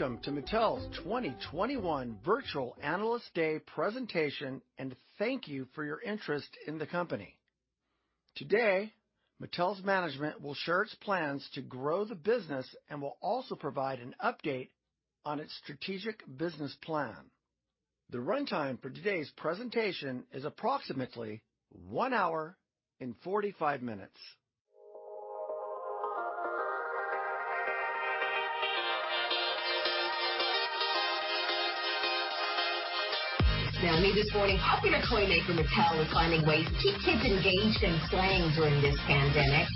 Welcome to Mattel's 2021 Virtual Analyst Day presentation, and thank you for your interest in the company. Today, Mattel's management will share its plans to grow the business and will also provide an update on its strategic business plan. The runtime for today's presentation is approximately one hour and 45 minutes. Now, new this morning, popular toy maker Mattel is finding ways to keep kids engaged and playing during this pandemic.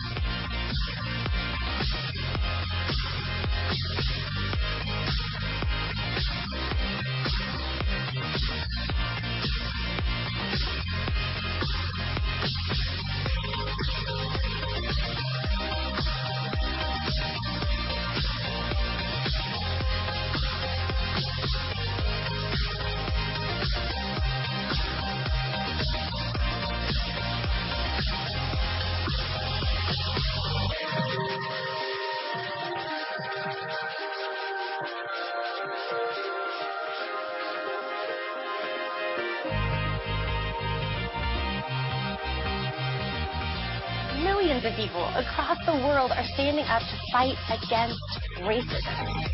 Millions of people across the world are standing up to fight against racism.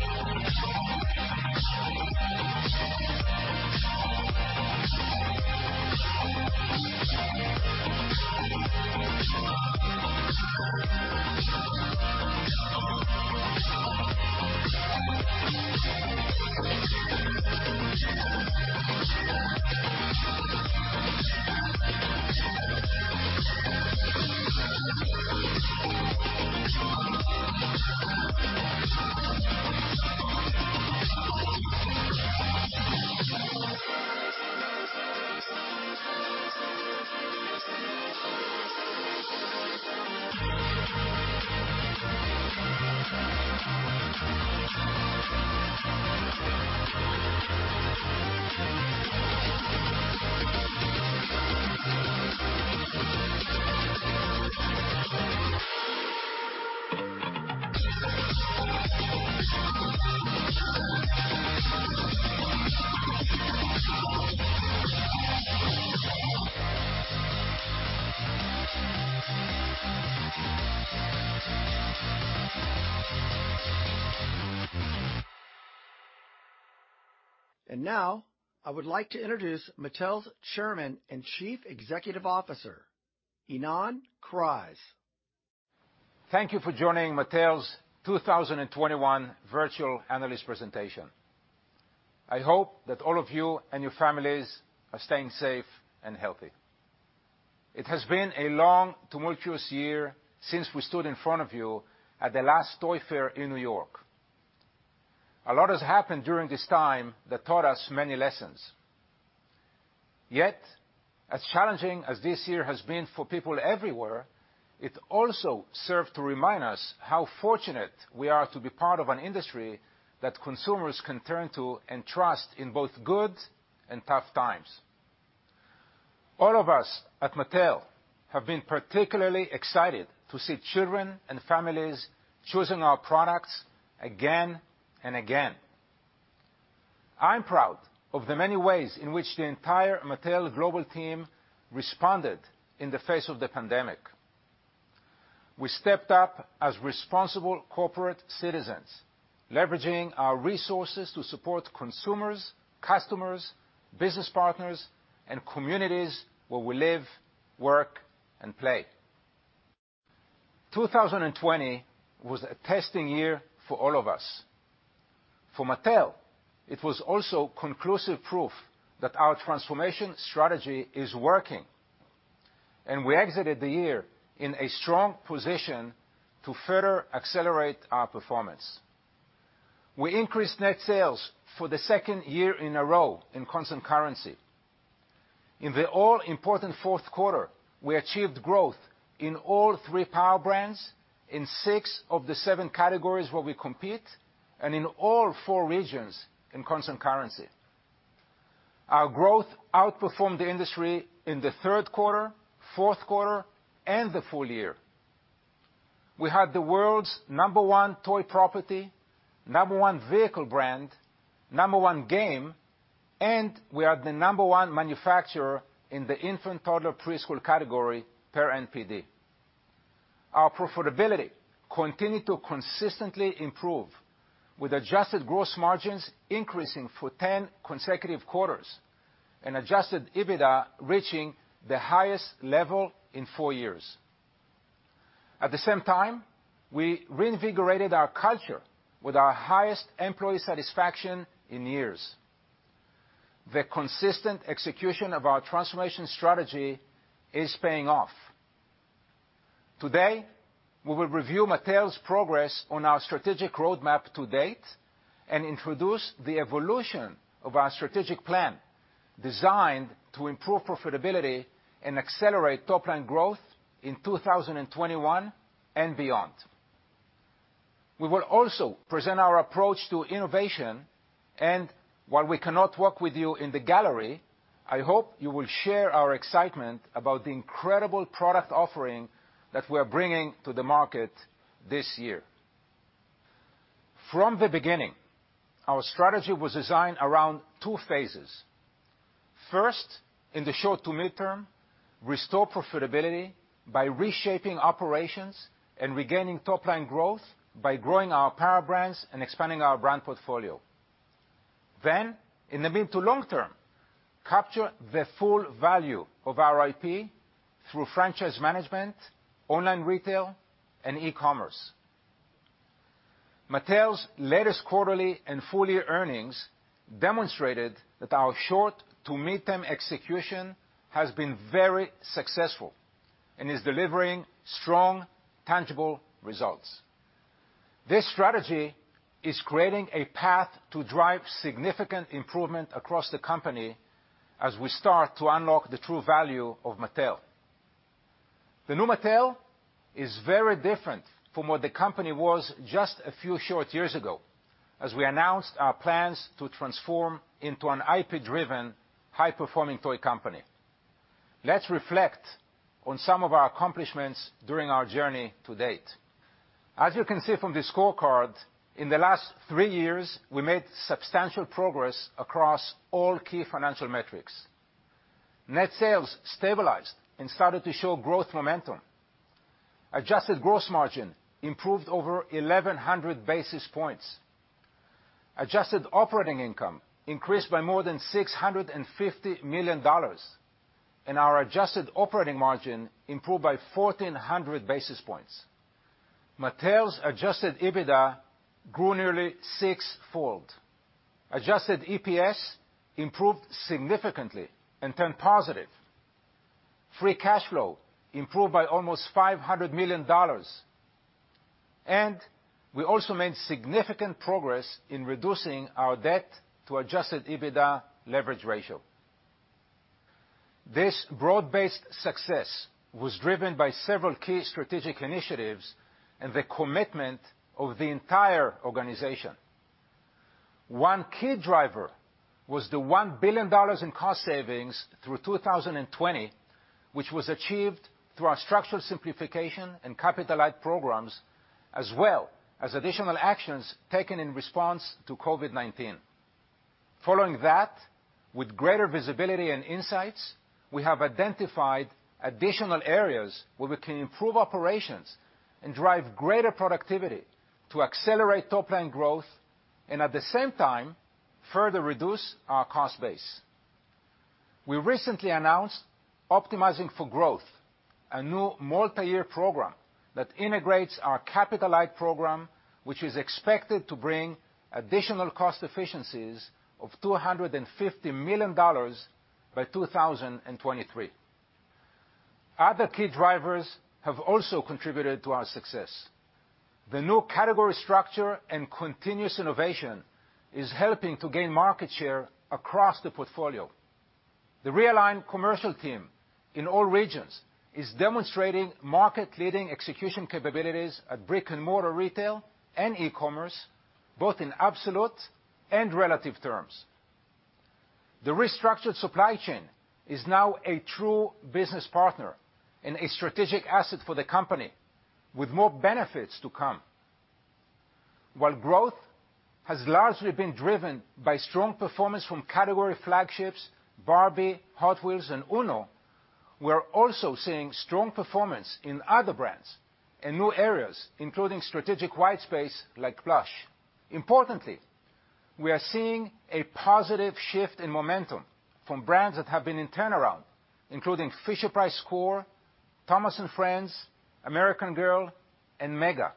I would like to introduce Mattel's Chairman and Chief Executive Officer, Ynon Kreiz. Thank you for joining Mattel's 2021 Virtual Analyst presentation. I hope that all of you and your families are staying safe and healthy. It has been a long, tumultuous year since we stood in front of you at the last Toy Fair in New York. A lot has happened during this time that taught us many lessons. Yet, as challenging as this year has been for people everywhere, it also served to remind us how fortunate we are to be part of an industry that consumers can turn to and trust in both good and tough times. All of us at Mattel have been particularly excited to see children and families choosing our products again and again. I'm proud of the many ways in which the entire Mattel global team responded in the face of the pandemic. We stepped up as responsible corporate citizens, leveraging our resources to support consumers, customers, business partners, and communities where we live, work, and play. 2020 was a testing year for all of us. For Mattel, it was also conclusive proof that our transformation strategy is working, and we exited the year in a strong position to further accelerate our performance. We increased net sales for the second year in a row in constant currency. In the all-important fourth quarter, we achieved growth in all three power brands, in six of the seven categories where we compete, and in all four regions in constant currency. Our growth outperformed the industry in the third quarter, fourth quarter, and the full year. We had the world's number one toy property, number one vehicle brand, number one game, and we are the number one manufacturer in the infant-toddler preschool category per NPD. Our profitability continued to consistently improve, with adjusted gross margins increasing for 10 consecutive quarters and adjusted EBITDA reaching the highest level in four years. At the same time, we reinvigorated our culture with our highest employee satisfaction in years. The consistent execution of our transformation strategy is paying off. Today, we will review Mattel's progress on our strategic roadmap to date and introduce the evolution of our strategic plan designed to improve profitability and accelerate top-line growth in 2021 and beyond. We will also present our approach to innovation, and while we cannot walk with you in the gallery, I hope you will share our excitement about the incredible product offering that we are bringing to the market this year. From the beginning, our strategy was designed around two phases. First, in the short to mid-term, restore profitability by reshaping operations and regaining top-line growth by growing our power brands and expanding our brand portfolio. Then, in the mid to long-term, capture the full value of our IP through franchise management, online retail, and e-commerce. Mattel's latest quarterly and full-year earnings demonstrated that our short to mid-term execution has been very successful and is delivering strong, tangible results. This strategy is creating a path to drive significant improvement across the company as we start to unlock the true value of Mattel. The new Mattel is very different from what the company was just a few short years ago as we announced our plans to transform into an IP-driven, high-performing toy company. Let's reflect on some of our accomplishments during our journey to date. As you can see from this scorecard, in the last three years, we made substantial progress across all key financial metrics. Net sales stabilized and started to show growth momentum. Adjusted gross margin improved over 1,100 basis points. Adjusted operating income increased by more than $650 million, and our adjusted operating margin improved by 1,400 basis points. Mattel's adjusted EBITDA grew nearly sixfold. Adjusted EPS improved significantly and turned positive. Free cash flow improved by almost $500 million, and we also made significant progress in reducing our debt to adjusted EBITDA leverage ratio. This broad-based success was driven by several key strategic initiatives and the commitment of the entire organization. One key driver was the $1 billion in cost savings through 2020, which was achieved through our structural simplification and capital-light programs, as well as additional actions taken in response to COVID-19. Following that, with greater visibility and insights, we have identified additional areas where we can improve operations and drive greater productivity to accelerate top-line growth and, at the same time, further reduce our cost base. We recently announced Optimizing for Growth, a new multi-year program that integrates our capital-light program, which is expected to bring additional cost efficiencies of $250 million by 2023. Other key drivers have also contributed to our success. The new category structure and continuous innovation is helping to gain market share across the portfolio. The realigned commercial team in all regions is demonstrating market-leading execution capabilities at brick-and-mortar retail and e-commerce, both in absolute and relative terms. The restructured supply chain is now a true business partner and a strategic asset for the company, with more benefits to come. While growth has largely been driven by strong performance from category flagships Barbie, Hot Wheels, and Uno, we are also seeing strong performance in other brands and new areas, including strategic white space like Plush. Importantly, we are seeing a positive shift in momentum from brands that have been in turnaround, including Fisher-Price Core, Thomas & Friends, American Girl, and MEGA.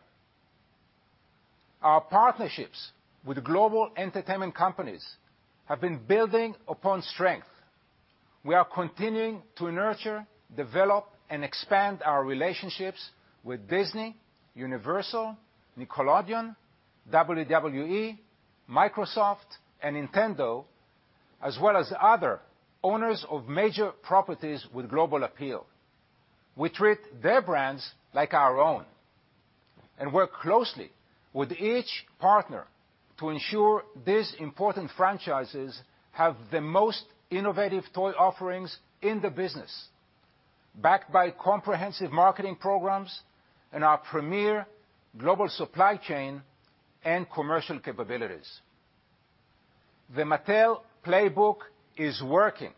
Our partnerships with global entertainment companies have been building upon strength. We are continuing to nurture, develop, and expand our relationships with Disney, Universal, Nickelodeon, WWE, Microsoft, and Nintendo, as well as other owners of major properties with global appeal. We treat their brands like our own and work closely with each partner to ensure these important franchises have the most innovative toy offerings in the business, backed by comprehensive marketing programs and our premier global supply chain and commercial capabilities. The Mattel Playbook is working,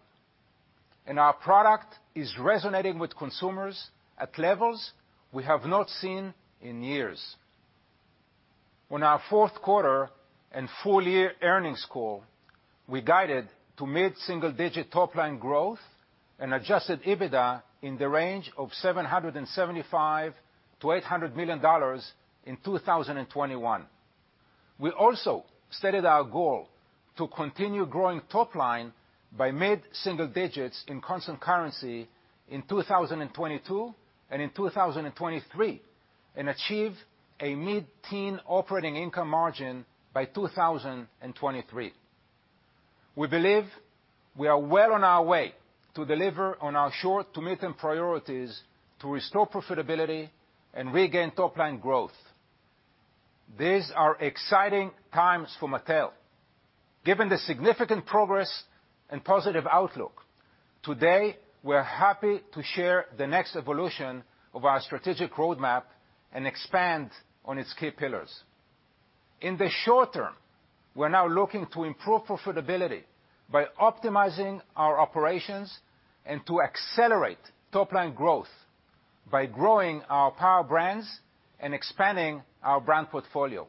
and our product is resonating with consumers at levels we have not seen in years. On our fourth quarter and full-year earnings call, we guided to mid-single-digit top-line growth and adjusted EBITDA in the range of $775 million-$800 million in 2021. We also stated our goal to continue growing top-line by mid-single digits in constant currency in 2022 and in 2023 and achieve a mid-teen operating income margin by 2023. We believe we are well on our way to deliver on our short to mid-term priorities to restore profitability and regain top-line growth. These are exciting times for Mattel. Given the significant progress and positive outlook, today, we are happy to share the next evolution of our strategic roadmap and expand on its key pillars. In the short term, we are now looking to improve profitability by optimizing our operations and to accelerate top-line growth by growing our power brands and expanding our brand portfolio.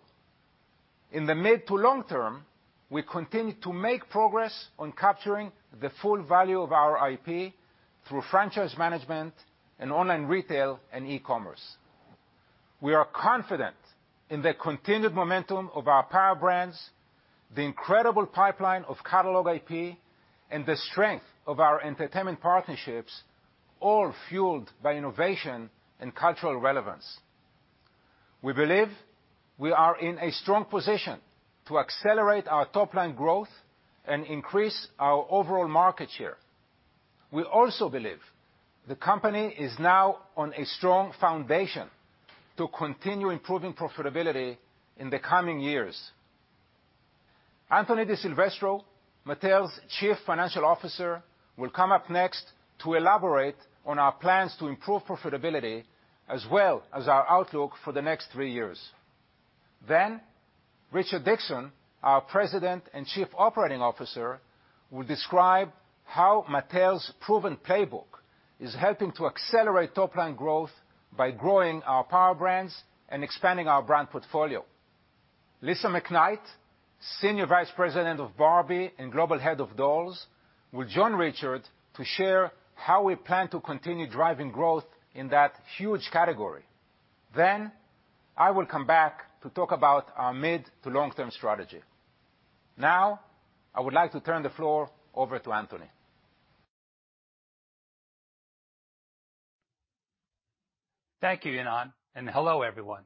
In the mid to long term, we continue to make progress on capturing the full value of our IP through franchise management and online retail and e-commerce. We are confident in the continued momentum of our power brands, the incredible pipeline of catalog IP, and the strength of our entertainment partnerships, all fueled by innovation and cultural relevance. We believe we are in a strong position to accelerate our top-line growth and increase our overall market share. We also believe the company is now on a strong foundation to continue improving profitability in the coming years. Anthony DiSilvestro, Mattel's Chief Financial Officer, will come up next to elaborate on our plans to improve profitability as well as our outlook for the next three years. Richard Dickson, our President and Chief Operating Officer, will describe how Mattel's proven playbook is helping to accelerate top-line growth by growing our power brands and expanding our brand portfolio. Lisa McKnight, Senior Vice President of Barbie and Global Head of Dolls, will join Richard to share how we plan to continue driving growth in that huge category. I will come back to talk about our mid to long-term strategy. Now, I would like to turn the floor over to Anthony. Thank you, Ynon, and hello, everyone.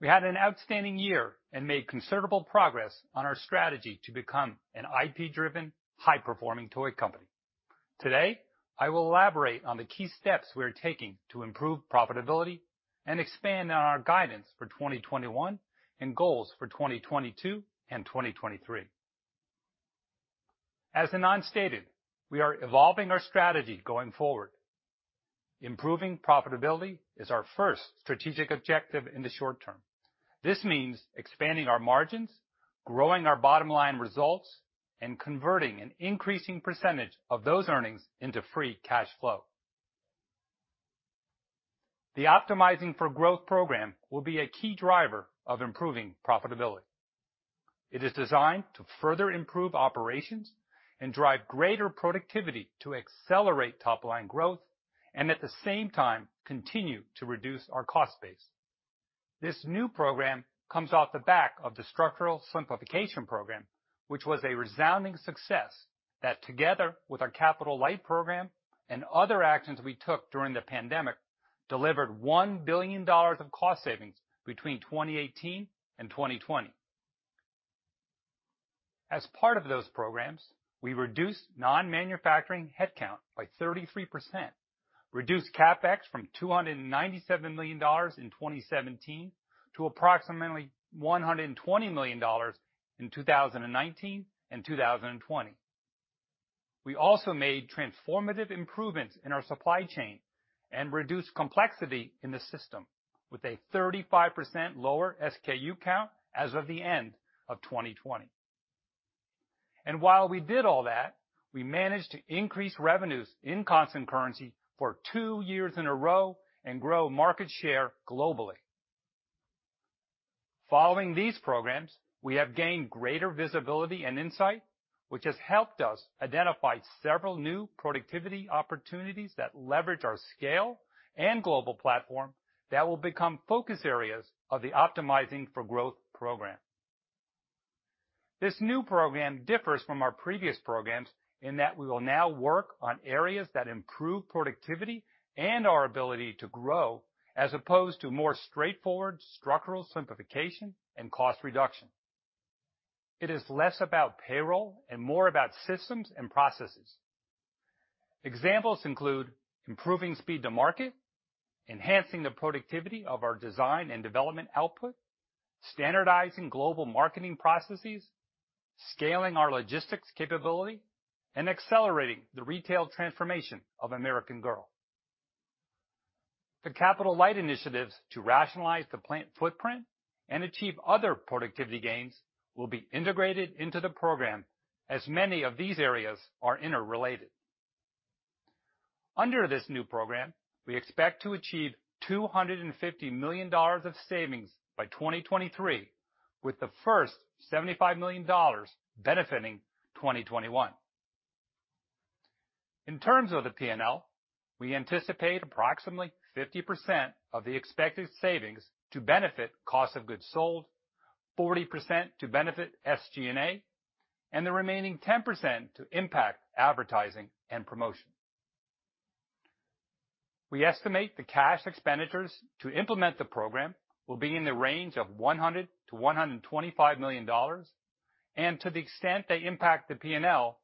We had an outstanding year and made considerable progress on our strategy to become an IP-driven, high-performing toy company. Today, I will elaborate on the key steps we are taking to improve profitability and expand on our guidance for 2021 and goals for 2022 and 2023. As Ynon stated, we are evolving our strategy going forward. Improving profitability is our first strategic objective in the short term. This means expanding our margins, growing our bottom-line results, and converting an increasing percentage of those earnings into free cash flow. The Optimizing for Growth program will be a key driver of improving profitability. It is designed to further improve operations and drive greater productivity to accelerate top-line growth and, at the same time, continue to reduce our cost base. This new program comes off the back of the structural simplification program, which was a resounding success that, together with our capital-light program and other actions we took during the pandemic, delivered $1 billion of cost savings between 2018 and 2020. As part of those programs, we reduced non-manufacturing headcount by 33%, reduced CapEx from $297 million in 2017 to approximately $120 million in 2019 and 2020. We also made transformative improvements in our supply chain and reduced complexity in the system with a 35% lower SKU count as of the end of 2020. While we did all that, we managed to increase revenues in constant currency for two years in a row and grow market share globally. Following these programs, we have gained greater visibility and insight, which has helped us identify several new productivity opportunities that leverage our scale and global platform that will become focus areas of the Optimizing for Growth program. This new program differs from our previous programs in that we will now work on areas that improve productivity and our ability to grow as opposed to more straightforward structural simplification and cost reduction. It is less about payroll and more about systems and processes. Examples include improving speed to market, enhancing the productivity of our design and development output, standardizing global marketing processes, scaling our logistics capability, and accelerating the retail transformation of American Girl. The capital-light initiatives to rationalize the plant footprint and achieve other productivity gains will be integrated into the program as many of these areas are interrelated. Under this new program, we expect to achieve $250 million of savings by 2023, with the first $75 million benefiting 2021. In terms of the P&L, we anticipate approximately 50% of the expected savings to benefit cost of goods sold, 40% to benefit SG&A, and the remaining 10% to impact advertising and promotion. We estimate the cash expenditures to implement the program will be in the range of $100 million-$125 million, and to the extent they impact the P&L,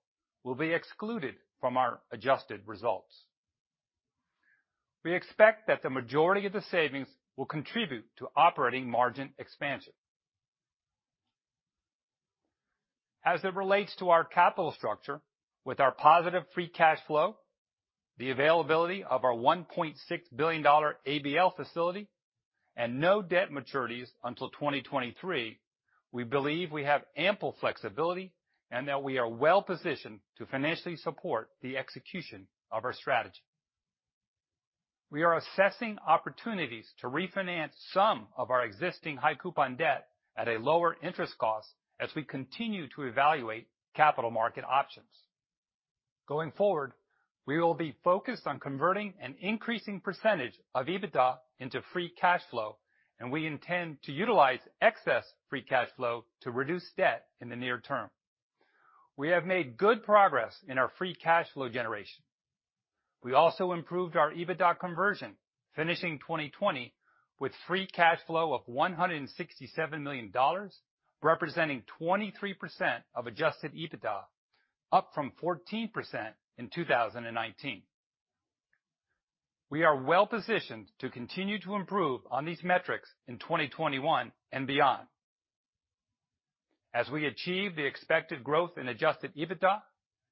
will be excluded from our adjusted results. We expect that the majority of the savings will contribute to operating margin expansion. As it relates to our capital structure, with our positive free cash flow, the availability of our $1.6 billion ABL facility, and no debt maturities until 2023, we believe we have ample flexibility and that we are well-positioned to financially support the execution of our strategy. We are assessing opportunities to refinance some of our existing high-coupon debt at a lower interest cost as we continue to evaluate capital market options. Going forward, we will be focused on converting an increasing percentage of EBITDA into free cash flow, and we intend to utilize excess free cash flow to reduce debt in the near term. We have made good progress in our free cash flow generation. We also improved our EBITDA conversion, finishing 2020 with free cash flow of $167 million, representing 23% of adjusted EBITDA, up from 14% in 2019. We are well-positioned to continue to improve on these metrics in 2021 and beyond. As we achieve the expected growth in adjusted EBITDA,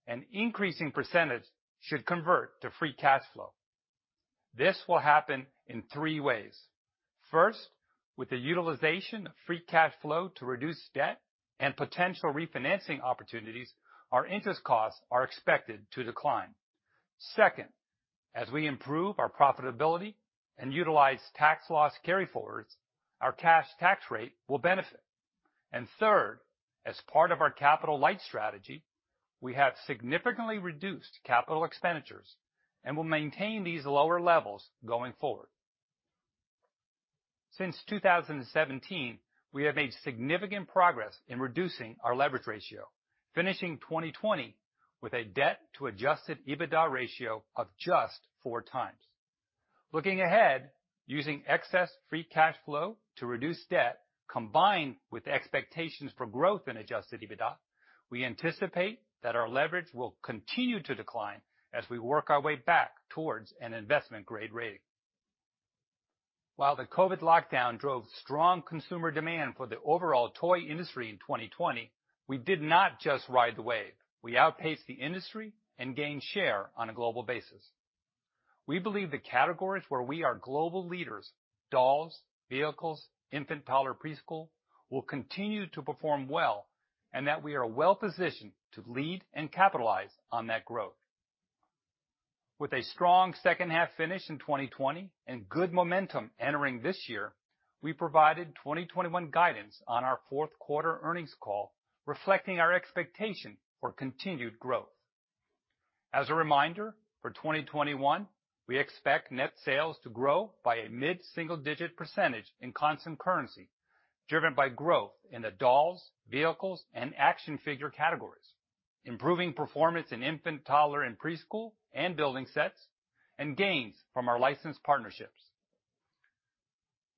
an increasing percentage should convert to free cash flow. This will happen in three ways. First, with the utilization of free cash flow to reduce debt and potential refinancing opportunities, our interest costs are expected to decline. Second, as we improve our profitability and utilize tax loss carryforwards, our cash tax rate will benefit. Third, as part of our capital-light strategy, we have significantly reduced capital expenditures and will maintain these lower levels going forward. Since 2017, we have made significant progress in reducing our leverage ratio, finishing 2020 with a debt-to-adjusted EBITDA ratio of just four times. Looking ahead, using excess free cash flow to reduce debt combined with expectations for growth in adjusted EBITDA, we anticipate that our leverage will continue to decline as we work our way back towards an investment-grade rating. While the COVID lockdown drove strong consumer demand for the overall toy industry in 2020, we did not just ride the wave. We outpaced the industry and gained share on a global basis. We believe the categories where we are global leaders—dolls, vehicles, infant-toddler-preschool—will continue to perform well and that we are well-positioned to lead and capitalize on that growth. With a strong second-half finish in 2020 and good momentum entering this year, we provided 2021 guidance on our fourth quarter earnings call, reflecting our expectation for continued growth. As a reminder, for 2021, we expect net sales to grow by a mid-single-digit % in constant currency, driven by growth in the dolls, vehicles, and action figure categories, improving performance in infant-toddler and preschool and building sets, and gains from our licensed partnerships.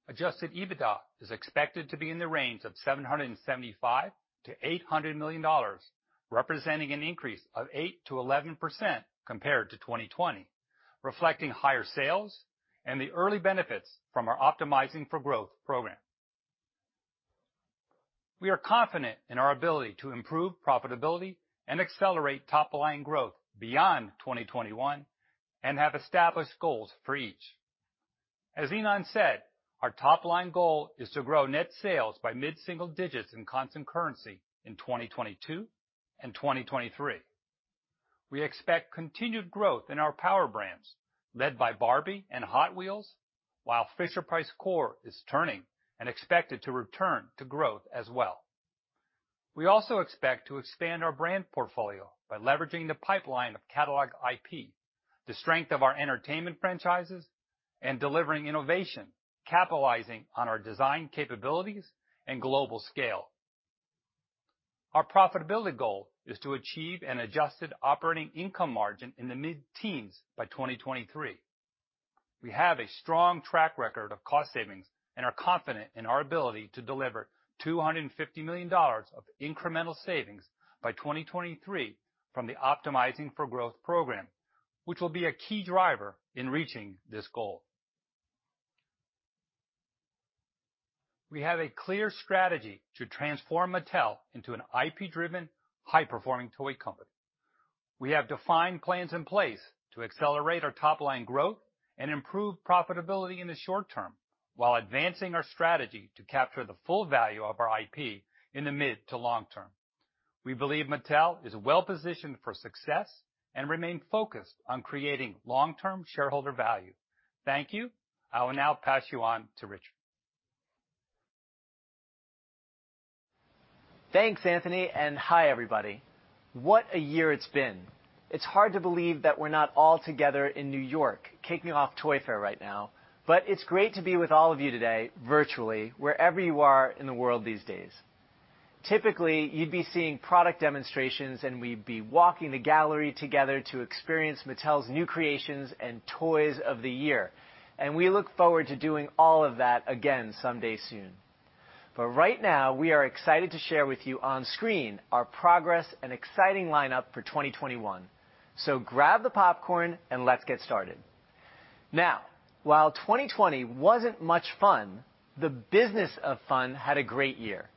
Adjusted EBITDA is expected to be in the range of $775 million-$800 million, representing an increase of 8%-11% compared to 2020, reflecting higher sales and the early benefits from our Optimizing for Growth program. We are confident in our ability to improve profitability and accelerate top-line growth beyond 2021 and have established goals for each. As Ynon said, our top-line goal is to grow net sales by mid-single digits in constant currency in 2022 and 2023. We expect continued growth in our power brands led by Barbie and Hot Wheels, while Fisher-Price Core is turning and expected to return to growth as well. We also expect to expand our brand portfolio by leveraging the pipeline of catalog IP, the strength of our entertainment franchises, and delivering innovation capitalizing on our design capabilities and global scale. Our profitability goal is to achieve an adjusted operating income margin in the mid-teens by 2023. We have a strong track record of cost savings and are confident in our ability to deliver $250 million of incremental savings by 2023 from the Optimizing for Growth program, which will be a key driver in reaching this goal. We have a clear strategy to transform Mattel into an IP-driven, high-performing toy company. We have defined plans in place to accelerate our top-line growth and improve profitability in the short term while advancing our strategy to capture the full value of our IP in the mid to long term. We believe Mattel is well-positioned for success and remain focused on creating long-term shareholder value. Thank you. I will now pass you on to Richard. Thanks, Anthony, and hi, everybody. What a year it's been. It's hard to believe that we're not all together in New York kicking off Toy Fair right now, but it's great to be with all of you today virtually, wherever you are in the world these days. Typically, you'd be seeing product demonstrations, and we'd be walking the gallery together to experience Mattel's new creations and toys of the year, and we look forward to doing all of that again someday soon. Right now, we are excited to share with you on screen our progress and exciting lineup for 2021. Grab the popcorn, and let's get started. While 2020 wasn't much fun, the business of fun had a great year.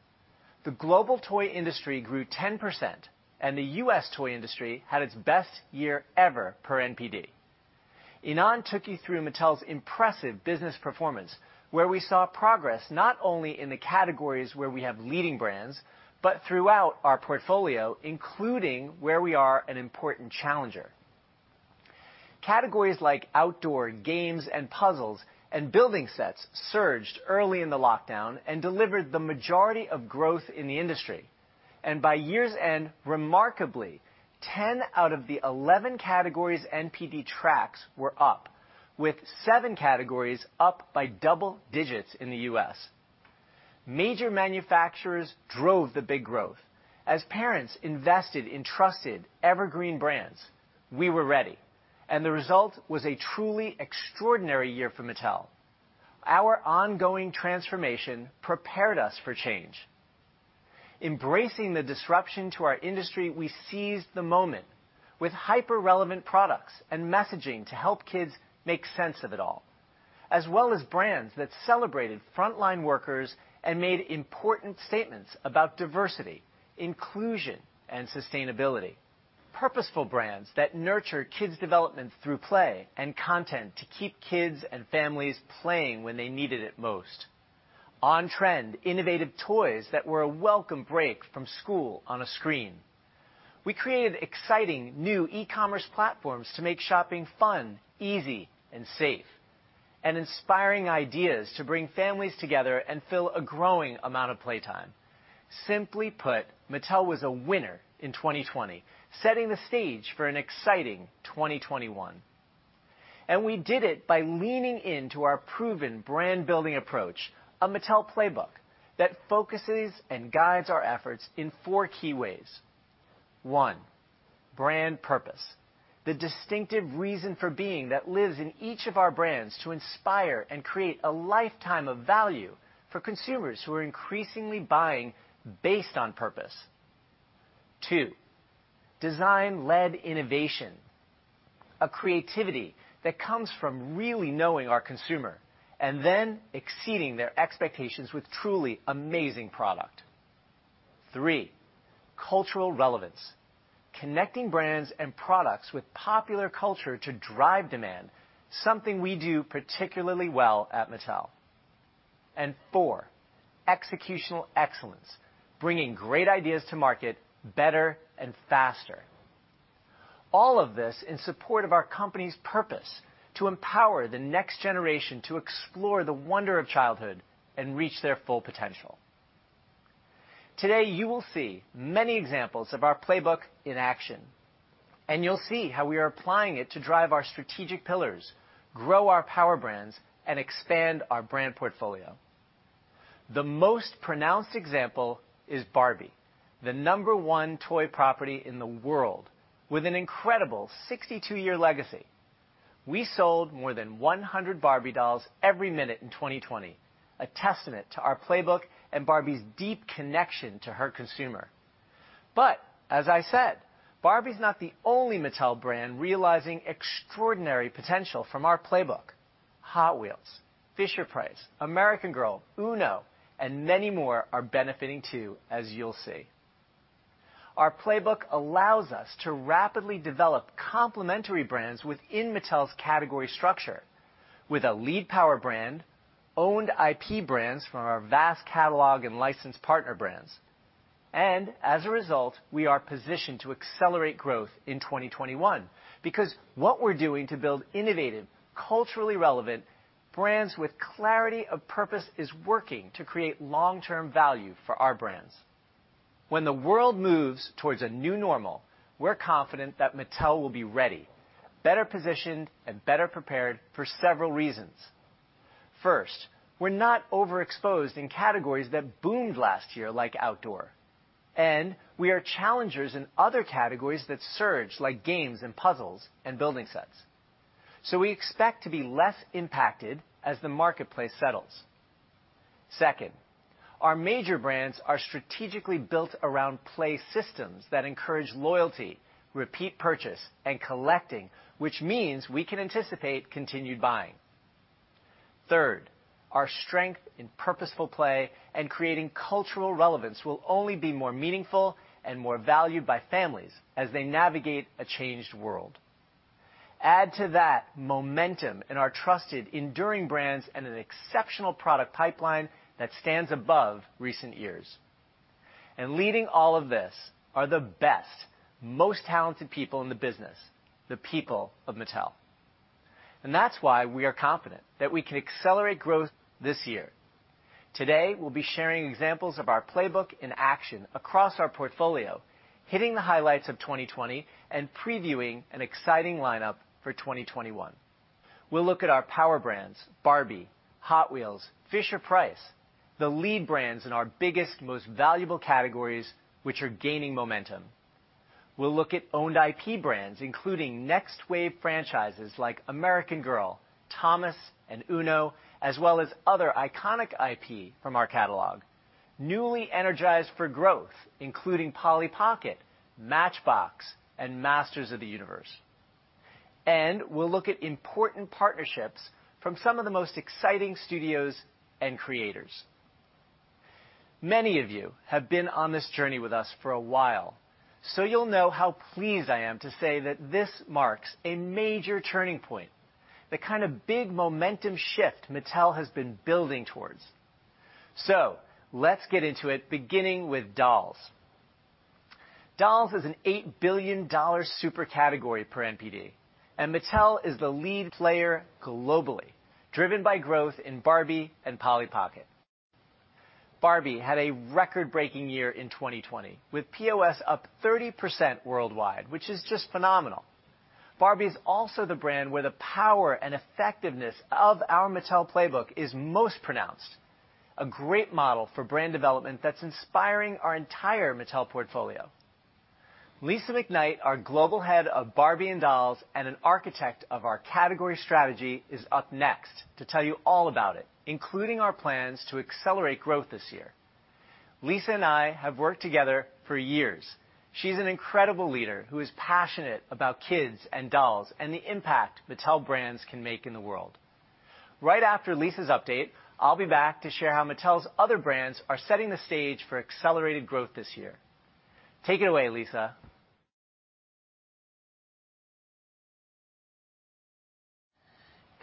The global toy industry grew 10%, and the U.S. toy industry had its best year ever per NPD. Ynon took you through Mattel's impressive business performance, where we saw progress not only in the categories where we have leading brands, but throughout our portfolio, including where we are an important challenger. Categories like outdoor games and puzzles and building sets surged early in the lockdown and delivered the majority of growth in the industry. By year's end, remarkably, 10 out of the 11 categories NPD tracks were up, with seven categories up by double digits in the U.S. Major manufacturers drove the big growth. As parents invested in trusted evergreen brands, we were ready, and the result was a truly extraordinary year for Mattel. Our ongoing transformation prepared us for change. Embracing the disruption to our industry, we seized the moment with hyper-relevant products and messaging to help kids make sense of it all, as well as brands that celebrated frontline workers and made important statements about diversity, inclusion, and sustainability. Purposeful brands that nurture kids' development through play and content to keep kids and families playing when they need it most. On-trend, innovative toys that were a welcome break from school on a screen. We created exciting new e-commerce platforms to make shopping fun, easy, and safe, and inspiring ideas to bring families together and fill a growing amount of playtime. Simply put, Mattel was a winner in 2020, setting the stage for an exciting 2021. We did it by leaning into our proven brand-building approach, a Mattel Playbook, that focuses and guides our efforts in four key ways. One, brand purpose, the distinctive reason for being that lives in each of our brands to inspire and create a lifetime of value for consumers who are increasingly buying based on purpose. Two, design-led innovation, a creativity that comes from really knowing our consumer and then exceeding their expectations with truly amazing product. Three, cultural relevance, connecting brands and products with popular culture to drive demand, something we do particularly well at Mattel. Four, executional excellence, bringing great ideas to market better and faster. All of this in support of our company's purpose to empower the next generation to explore the wonder of childhood and reach their full potential. Today, you will see many examples of our Playbook in action, and you'll see how we are applying it to drive our strategic pillars, grow our power brands, and expand our brand portfolio. The most pronounced example is Barbie, the number one toy property in the world, with an incredible 62-year legacy. We sold more than 100 Barbie dolls every minute in 2020, a testament to our Playbook and Barbie's deep connection to her consumer. As I said, Barbie's not the only Mattel brand realizing extraordinary potential from our Playbook. Hot Wheels, Fisher-Price, American Girl, Uno, and many more are benefiting too, as you'll see. Our Playbook allows us to rapidly develop complementary brands within Mattel's category structure, with a lead power brand, owned IP brands from our vast catalog and licensed partner brands. As a result, we are positioned to accelerate growth in 2021 because what we're doing to build innovative, culturally relevant brands with clarity of purpose is working to create long-term value for our brands. When the world moves towards a new normal, we're confident that Mattel will be ready, better positioned, and better prepared for several reasons. First, we're not overexposed in categories that boomed last year like outdoor, and we are challengers in other categories that surged like games and puzzles and building sets. We expect to be less impacted as the marketplace settles. Second, our major brands are strategically built around play systems that encourage loyalty, repeat purchase, and collecting, which means we can anticipate continued buying. Third, our strength in purposeful play and creating cultural relevance will only be more meaningful and more valued by families as they navigate a changed world. Add to that momentum in our trusted, enduring brands and an exceptional product pipeline that stands above recent years. Leading all of this are the best, most talented people in the business, the people of Mattel. That is why we are confident that we can accelerate growth this year. Today, we will be sharing examples of our Playbook in action across our portfolio, hitting the highlights of 2020 and previewing an exciting lineup for 2021. We will look at our power brands, Barbie, Hot Wheels, Fisher-Price, the lead brands in our biggest, most valuable categories, which are gaining momentum. We will look at owned IP brands, including next-wave franchises like American Girl, Thomas, and Uno, as well as other iconic IP from our catalog, newly energized for growth, including Polly Pocket, Matchbox, and Masters of the Universe. We will look at important partnerships from some of the most exciting studios and creators. Many of you have been on this journey with us for a while, so you'll know how pleased I am to say that this marks a major turning point, the kind of big momentum shift Mattel has been building towards. Let's get into it, beginning with dolls. Dolls is an $8 billion super category per NPD, and Mattel is the lead player globally, driven by growth in Barbie and Polly Pocket. Barbie had a record-breaking year in 2020, with POS up 30% worldwide, which is just phenomenal. Barbie is also the brand where the power and effectiveness of our Mattel Playbook is most pronounced, a great model for brand development that's inspiring our entire Mattel portfolio. Lisa McKnight, our Global Head of Barbie and Dolls and an architect of our category strategy, is up next to tell you all about it, including our plans to accelerate growth this year. Lisa and I have worked together for years. She's an incredible leader who is passionate about kids and dolls and the impact Mattel brands can make in the world. Right after Lisa's update, I'll be back to share how Mattel's other brands are setting the stage for accelerated growth this year. Take it away, Lisa.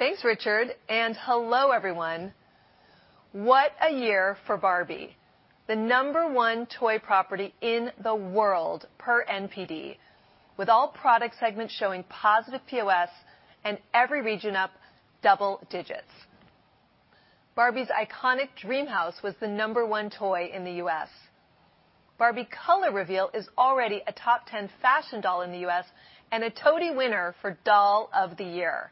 Thanks, Richard, and hello, everyone. What a year for Barbie, the number one toy property in the world per NPD, with all product segments showing positive POS and every region up double digits. Barbie's iconic Dreamhouse was the number one toy in the U.S. Barbie Color Reveal is already a top 10 fashion doll in the U.S. and a TOTY winner for Doll of the Year.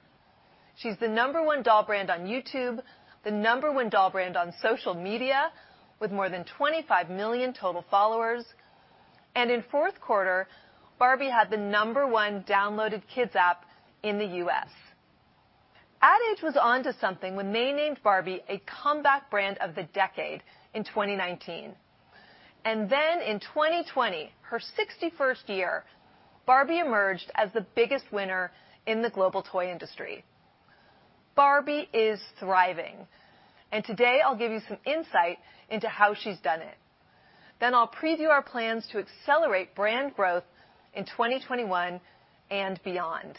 She's the number one doll brand on YouTube, the number one doll brand on social media with more than 25 million total followers. In fourth quarter, Barbie had the number one downloaded kids app in the U.S. Ad age was onto something when they named Barbie a comeback brand of the decade in 2019. In 2020, her 61st year, Barbie emerged as the biggest winner in the global toy industry. Barbie is thriving, and today I'll give you some insight into how she's done it. I'll preview our plans to accelerate brand growth in 2021 and beyond.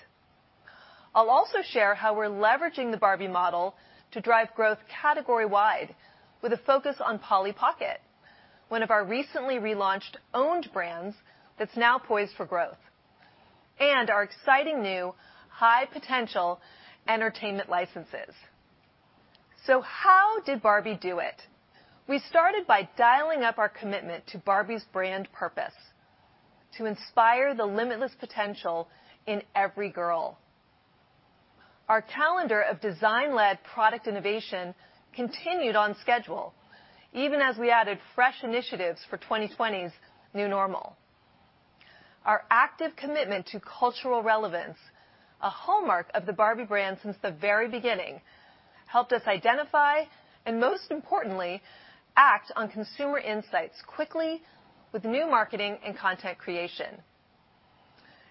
I'll also share how we're leveraging the Barbie model to drive growth category-wide with a focus on Polly Pocket, one of our recently relaunched owned brands that's now poised for growth, and our exciting new high-potential entertainment licenses. How did Barbie do it? We started by dialing up our commitment to Barbie's brand purpose to inspire the limitless potential in every girl. Our calendar of design-led product innovation continued on schedule, even as we added fresh initiatives for 2020's new normal. Our active commitment to cultural relevance, a hallmark of the Barbie brand since the very beginning, helped us identify and, most importantly, act on consumer insights quickly with new marketing and content creation.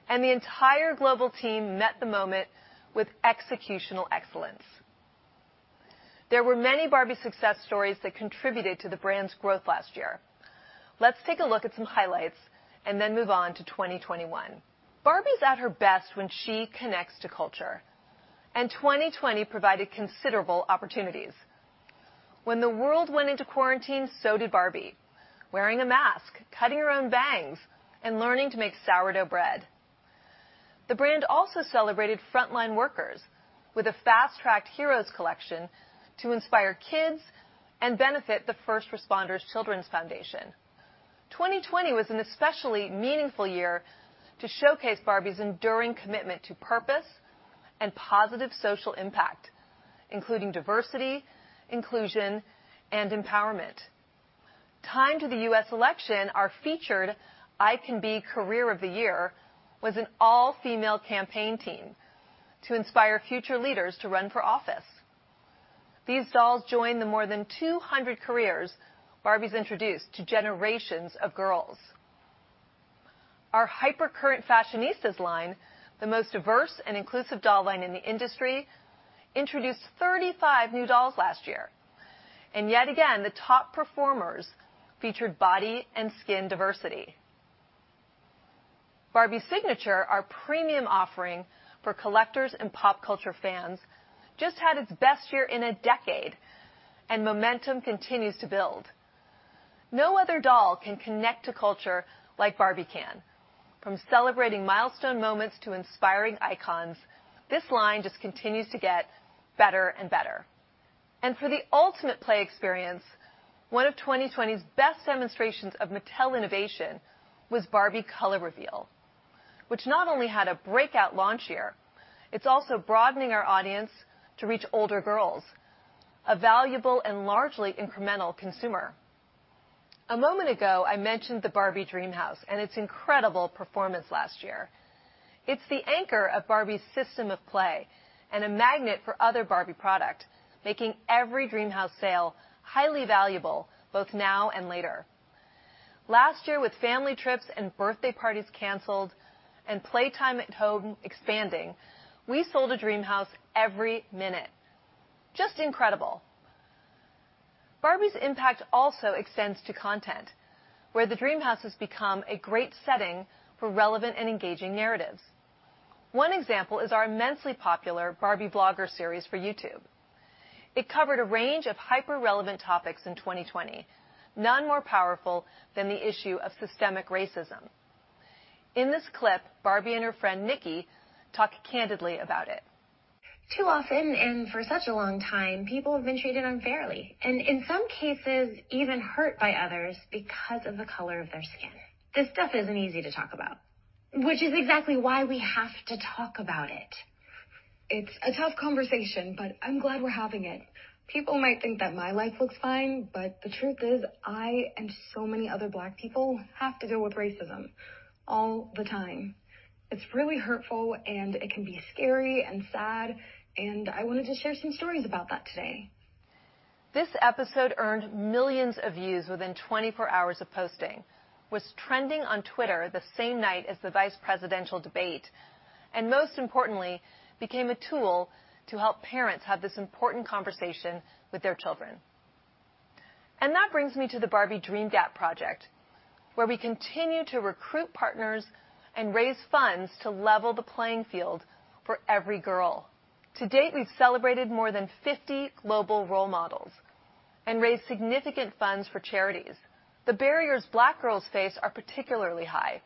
The entire global team met the moment with executional excellence. There were many Barbie success stories that contributed to the brand's growth last year. Let's take a look at some highlights and then move on to 2021. Barbie's at her best when she connects to culture, and 2020 provided considerable opportunities. When the world went into quarantine, so did Barbie, wearing a mask, cutting her own bangs, and learning to make sourdough bread. The brand also celebrated frontline workers with a fast-tracked Heroes collection to inspire kids and benefit the First Responders Children's Foundation. 2020 was an especially meaningful year to showcase Barbie's enduring commitment to purpose and positive social impact, including diversity, inclusion, and empowerment. Tied to the U.S. election, our featured I Can Be Career of the Year was an all-female campaign team to inspire future leaders to run for office. These dolls join the more than 200 careers Barbie's introduced to generations of girls. Our hyper-current Fashionistas line, the most diverse and inclusive doll line in the industry, introduced 35 new dolls last year. Yet again, the top performers featured body and skin diversity. Barbie Signature, our premium offering for collectors and pop culture fans, just had its best year in a decade, and momentum continues to build. No other doll can connect to culture like Barbie can. From celebrating milestone moments to inspiring icons, this line just continues to get better and better. For the ultimate play experience, one of 2020's best demonstrations of Mattel innovation was Barbie Color Reveal, which not only had a breakout launch year, it's also broadening our audience to reach older girls, a valuable and largely incremental consumer. A moment ago, I mentioned the Barbie Dreamhouse and its incredible performance last year. It's the anchor of Barbie's system of play and a magnet for other Barbie products, making every Dreamhouse sale highly valuable both now and later. Last year, with family trips and birthday parties canceled and playtime at home expanding, we sold a Dreamhouse every minute. Just incredible. Barbie's impact also extends to content, where the Dreamhouse has become a great setting for relevant and engaging narratives. One example is our immensely popular Barbie vlogger series for YouTube. It covered a range of hyper-relevant topics in 2020, none more powerful than the issue of systemic racism. In this clip, Barbie and her friend Nikki talk candidly about it. Too often and for such a long time, people have been treated unfairly, and in some cases, even hurt by others because of the color of their skin. This stuff isn't easy to talk about, which is exactly why we have to talk about it. It's a tough conversation, but I'm glad we're having it. People might think that my life looks fine, but the truth is I and so many other Black people have to deal with racism all the time. It's really hurtful, and it can be scary and sad, and I wanted to share some stories about that today. This episode earned millions of views within 24 hours of posting, was trending on Twitter the same night as the vice presidential debate, and most importantly, became a tool to help parents have this important conversation with their children. That brings me to the Barbie Dream Gap project, where we continue to recruit partners and raise funds to level the playing field for every girl. To date, we've celebrated more than 50 global role models and raised significant funds for charities. The barriers Black girls face are particularly high.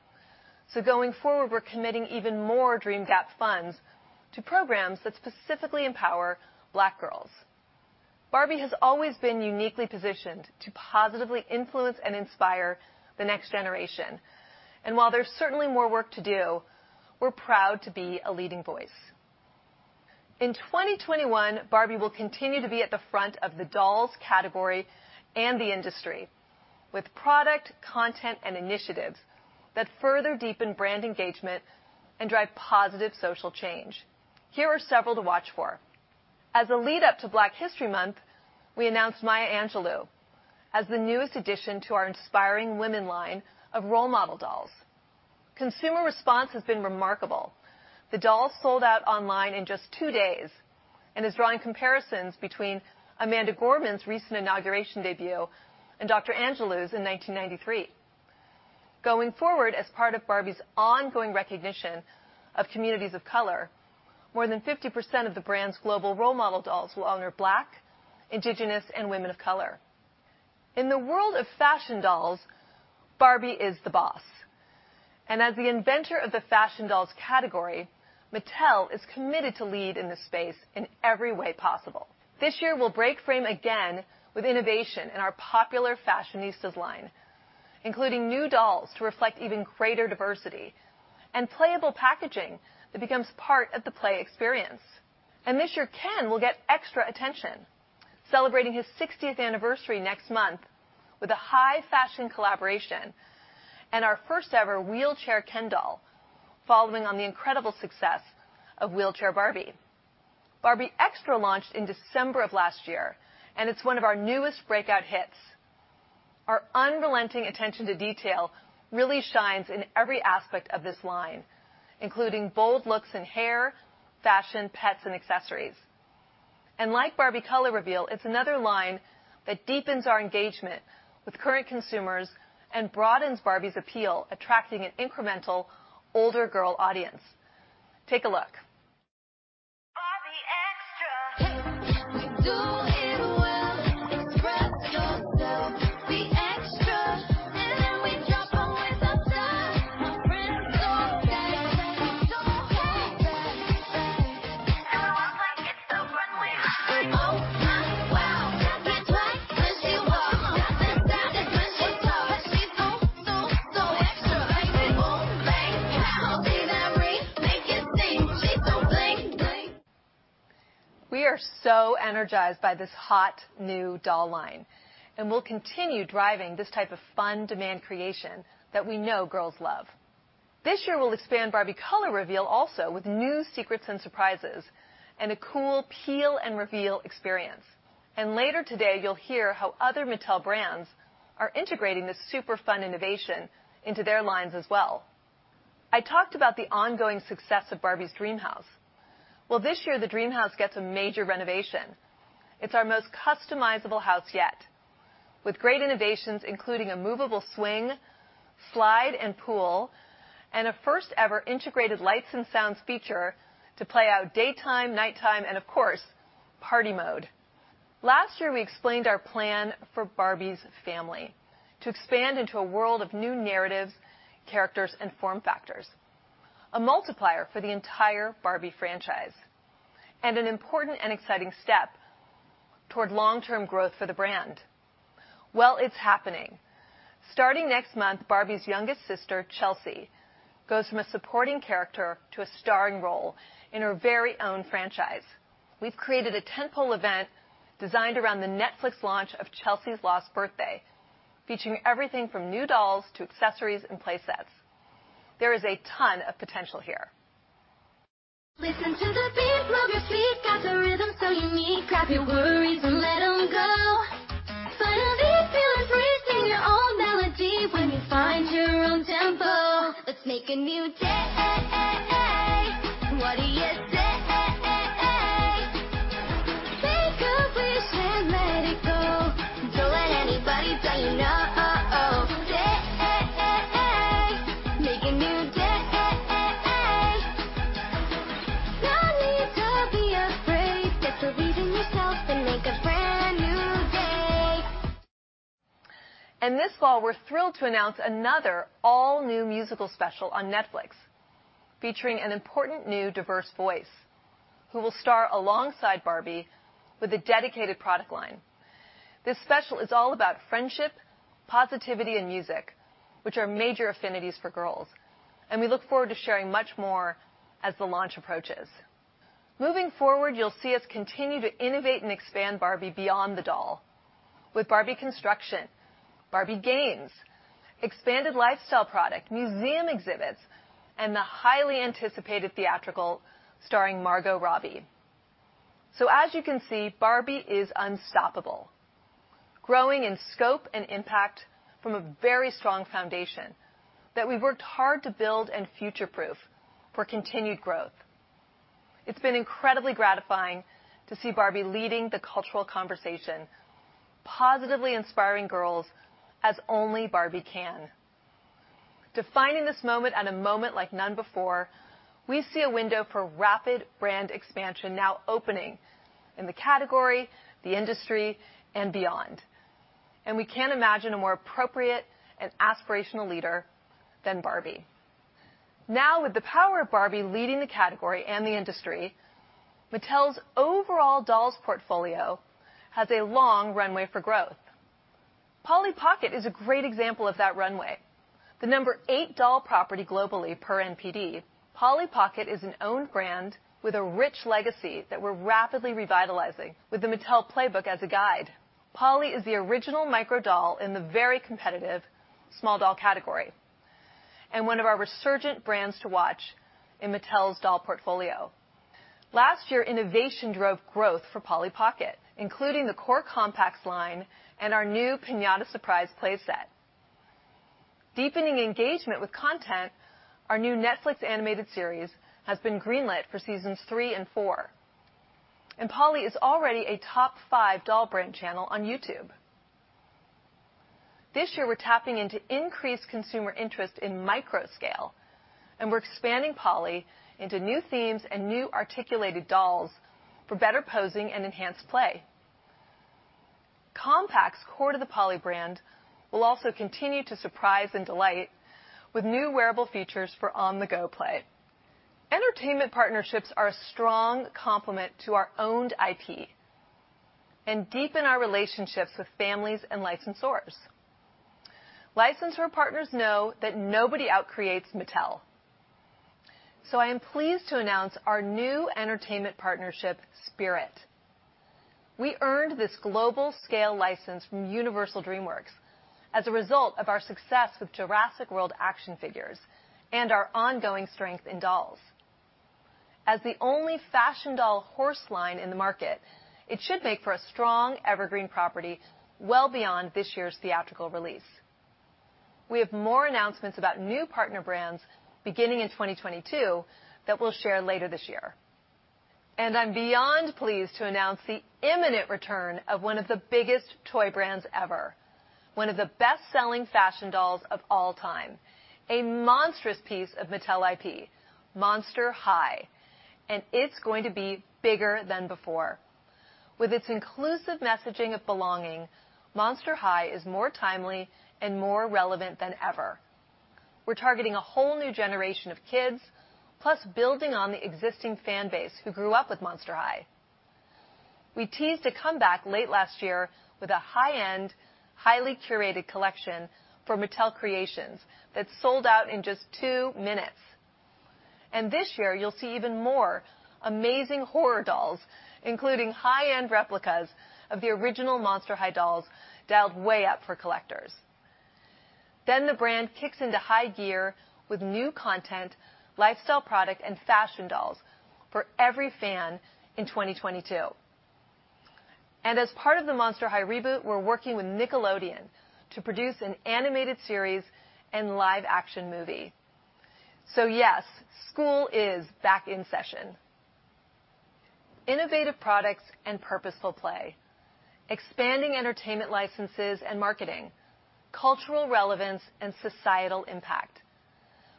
Going forward, we're committing even more Dream Gap funds to programs that specifically empower Black girls. Barbie has always been uniquely positioned to positively influence and inspire the next generation. While there's certainly more work to do, we're proud to be a leading voice. In 2021, Barbie will continue to be at the front of the dolls category and the industry with product, content, and initiatives that further deepen brand engagement and drive positive social change. Here are several to watch for. As a lead-up to Black History Month, we announced Maya Angelou as the newest addition to our Inspiring Women line of role model dolls. Consumer response has been remarkable. The doll sold out online in just two days and is drawing comparisons between Amanda Gorman's recent inauguration debut and Dr. Angelou's in 1993. Going forward, as part of Barbie's ongoing recognition of communities of color, more than 50% of the brand's global role model dolls will honor Black, Indigenous, and women of color. In the world of fashion dolls, Barbie is the boss. As the inventor of the fashion dolls category, Mattel is committed to lead in this space in every way possible. This year, we will break frame again with innovation in our popular Fashionistas line, including new dolls to reflect even greater diversity and playable packaging that becomes part of the play experience. This year, Ken will get extra attention, celebrating his 60th anniversary next month with a high-fashion collaboration and our first-ever wheelchair Ken doll, following on the incredible success of wheelchair Barbie. Barbie Extra launched in December of last year, and it is one of our newest breakout hits. Our unrelenting attention to detail really shines in every aspect of this line, including bold looks in hair, fashion, pets, and accessories. Like Barbie Color Reveal, it is another line that deepens our engagement with current consumers and broadens Barbie's appeal, attracting an incremental older girl audience. Take a look. Barbie Extra. Hey, we do it well, express yourself. We extra, and then we drop 'em with a dud. My friends go back, they go back, they go back, back. Everyone's like, "It's so funny." We open wide 'cause we twang when she walks. Got that sound when she talks. She's so, so, so extra. Baby boom, bang, pow. She's that remaking scene. She's so bling, bling. We are so energized by this hot new doll line, and we'll continue driving this type of fun demand creation that we know girls love. This year, we'll expand Barbie Color Reveal also with new secrets and surprises and a cool peel and reveal experience. Later today, you'll hear how other Mattel brands are integrating this super fun innovation into their lines as well. I talked about the ongoing success of Barbie's Dreamhouse. This year, the Dreamhouse gets a major renovation. It's our most customizable house yet, with great innovations, including a movable swing, slide, and pool, and a first-ever integrated lights and sounds feature to play out daytime, nighttime, and of course, party mode. Last year, we explained our plan for Barbie's family to expand into a world of new narratives, characters, and form factors, a multiplier for the entire Barbie franchise, and an important and exciting step toward long-term growth for the brand. It is happening. Starting next month, Barbie's youngest sister, Chelsea, goes from a supporting character to a starring role in her very own franchise. We've created a tentpole event designed around the Netflix launch of Chelsea's Last Birthday, featuring everything from new dolls to accessories and playsets. There is a ton of potential here. Listen to the beat, love your feet. Got the rhythm so unique. Grab your worries and let 'em go. Find a beat, feel it free. Sing your own melody when you find your own tempo. Let's make a new day. What do you say? Make a wish and let it go. Don't let anybody tell you no. Day. Make a new day. No need to be afraid. Get believe in yourself and make a brand new day. This fall, we're thrilled to announce another all-new musical special on Netflix featuring an important new diverse voice who will star alongside Barbie with a dedicated product line. This special is all about friendship, positivity, and music, which are major affinities for girls. We look forward to sharing much more as the launch approaches. Moving forward, you'll see us continue to innovate and expand Barbie beyond the doll with Barbie Construction, Barbie Games, expanded lifestyle product, museum exhibits, and the highly anticipated theatrical starring Margot Robbie. As you can see, Barbie is unstoppable, growing in scope and impact from a very strong foundation that we've worked hard to build and future-proof for continued growth. It's been incredibly gratifying to see Barbie leading the cultural conversation, positively inspiring girls as only Barbie can. Defining this moment at a moment like none before, we see a window for rapid brand expansion now opening in the category, the industry, and beyond. We can't imagine a more appropriate and aspirational leader than Barbie. Now, with the power of Barbie leading the category and the industry, Mattel's overall dolls portfolio has a long runway for growth. Polly Pocket is a great example of that runway. The number eight doll property globally per NPD, Polly Pocket is an owned brand with a rich legacy that we're rapidly revitalizing with the Mattel Playbook as a guide. Polly is the original micro doll in the very competitive small doll category and one of our resurgent brands to watch in Mattel's doll portfolio. Last year, innovation drove growth for Polly Pocket, including the core compacts line and our new piñata surprise playset. Deepening engagement with content, our new Netflix animated series has been greenlit for seasons three and four. Polly is already a top five doll brand channel on YouTube. This year, we're tapping into increased consumer interest in micro-scale, and we're expanding Polly into new themes and new articulated dolls for better posing and enhanced play. Compacts, core to the Polly brand, will also continue to surprise and delight with new wearable features for on-the-go play. Entertainment partnerships are a strong complement to our owned IP and deepen our relationships with families and licensors. Licensor partners know that nobody out creates Mattel. I am pleased to announce our new entertainment partnership, Spirit. We earned this global scale license from Universal DreamWorks as a result of our success with Jurassic World action figures and our ongoing strength in dolls. As the only fashion doll horse line in the market, it should make for a strong evergreen property well beyond this year's theatrical release. We have more announcements about new partner brands beginning in 2022 that we'll share later this year. I'm beyond pleased to announce the imminent return of one of the biggest toy brands ever, one of the best-selling fashion dolls of all time, a monstrous piece of Mattel IP, Monster High, and it's going to be bigger than before. With its inclusive messaging of belonging, Monster High is more timely and more relevant than ever. We're targeting a whole new generation of kids, plus building on the existing fan base who grew up with Monster High. We teased a comeback late last year with a high-end, highly curated collection for Mattel Creations that sold out in just two minutes. This year, you'll see even more amazing horror dolls, including high-end replicas of the original Monster High dolls dialed way up for collectors. The brand kicks into high gear with new content, lifestyle product, and fashion dolls for every fan in 2022. As part of the Monster High reboot, we're working with Nickelodeon to produce an animated series and live-action movie. Yes, school is back in session. Innovative products and purposeful play, expanding entertainment licenses and marketing, cultural relevance, and societal impact.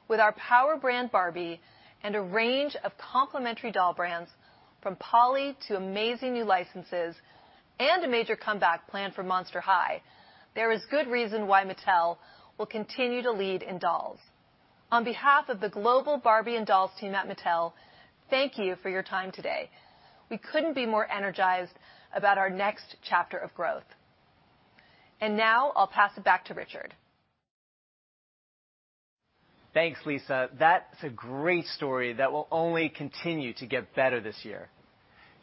With our power brand Barbie and a range of complementary doll brands from Polly to amazing new licenses and a major comeback planned for Monster High, there is good reason why Mattel will continue to lead in dolls. On behalf of the global Barbie and dolls team at Mattel, thank you for your time today. We couldn't be more energized about our next chapter of growth. I'll pass it back to Richard. Thanks, Lisa. That's a great story that will only continue to get better this year.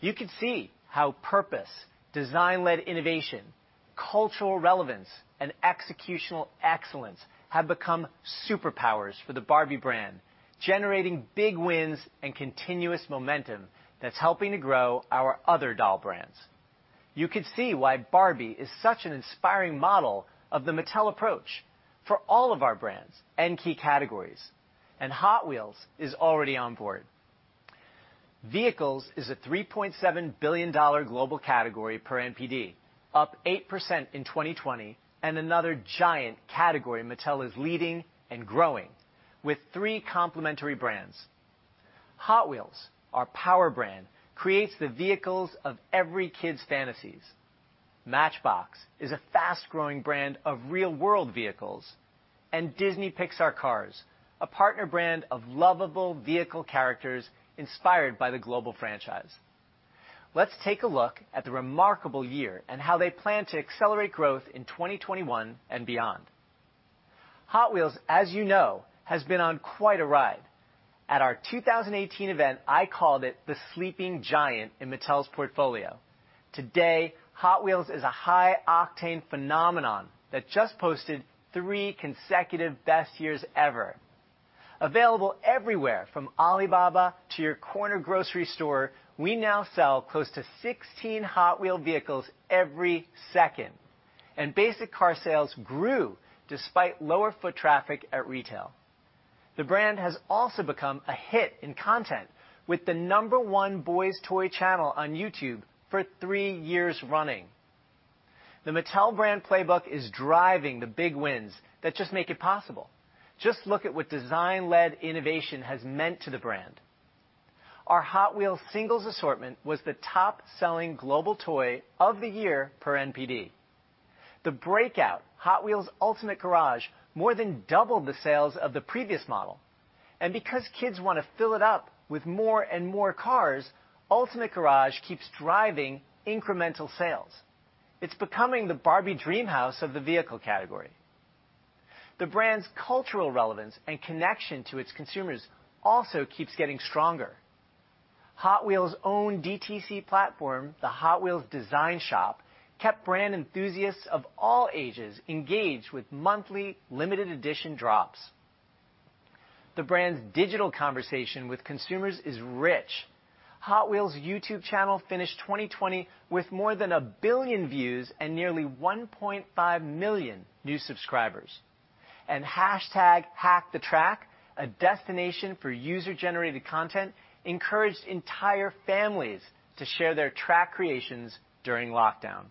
You can see how purpose, design-led innovation, cultural relevance, and executional excellence have become superpowers for the Barbie brand, generating big wins and continuous momentum that's helping to grow our other doll brands. You can see why Barbie is such an inspiring model of the Mattel approach for all of our brands and key categories, and Hot Wheels is already on board. Vehicles is a $3.7 billion global category per NPD, up 8% in 2020, and another giant category Mattel is leading and growing with three complementary brands. Hot Wheels, our power brand, creates the vehicles of every kid's fantasies. Matchbox is a fast-growing brand of real-world vehicles, and Disney Pixar Cars, a partner brand of lovable vehicle characters inspired by the global franchise. Let's take a look at the remarkable year and how they plan to accelerate growth in 2021 and beyond. Hot Wheels, as you know, has been on quite a ride. At our 2018 event, I called it the sleeping giant in Mattel's portfolio. Today, Hot Wheels is a high-octane phenomenon that just posted three consecutive best years ever. Available everywhere from Alibaba to your corner grocery store, we now sell close to 16 Hot Wheels vehicles every second. Basic car sales grew despite lower foot traffic at retail. The brand has also become a hit in content with the number one boys' toy channel on YouTube for three years running. The Mattel brand playbook is driving the big wins that just make it possible. Just look at what design-led innovation has meant to the brand. Our Hot Wheels singles assortment was the top-selling global toy of the year per NPD. The breakout Hot Wheels Ultimate Garage more than doubled the sales of the previous model. Because kids want to fill it up with more and more cars, Ultimate Garage keeps driving incremental sales. It is becoming the Barbie Dreamhouse of the vehicle category. The brand's cultural relevance and connection to its consumers also keeps getting stronger. Hot Wheels' own DTC platform, the Hot Wheels Design Shop, kept brand enthusiasts of all ages engaged with monthly limited edition drops. The brand's digital conversation with consumers is rich. Hot Wheels' YouTube channel finished 2020 with more than a billion views and nearly 1.5 million new subscribers. Hashtag hack the track, a destination for user-generated content, encouraged entire families to share their track creations during lockdown.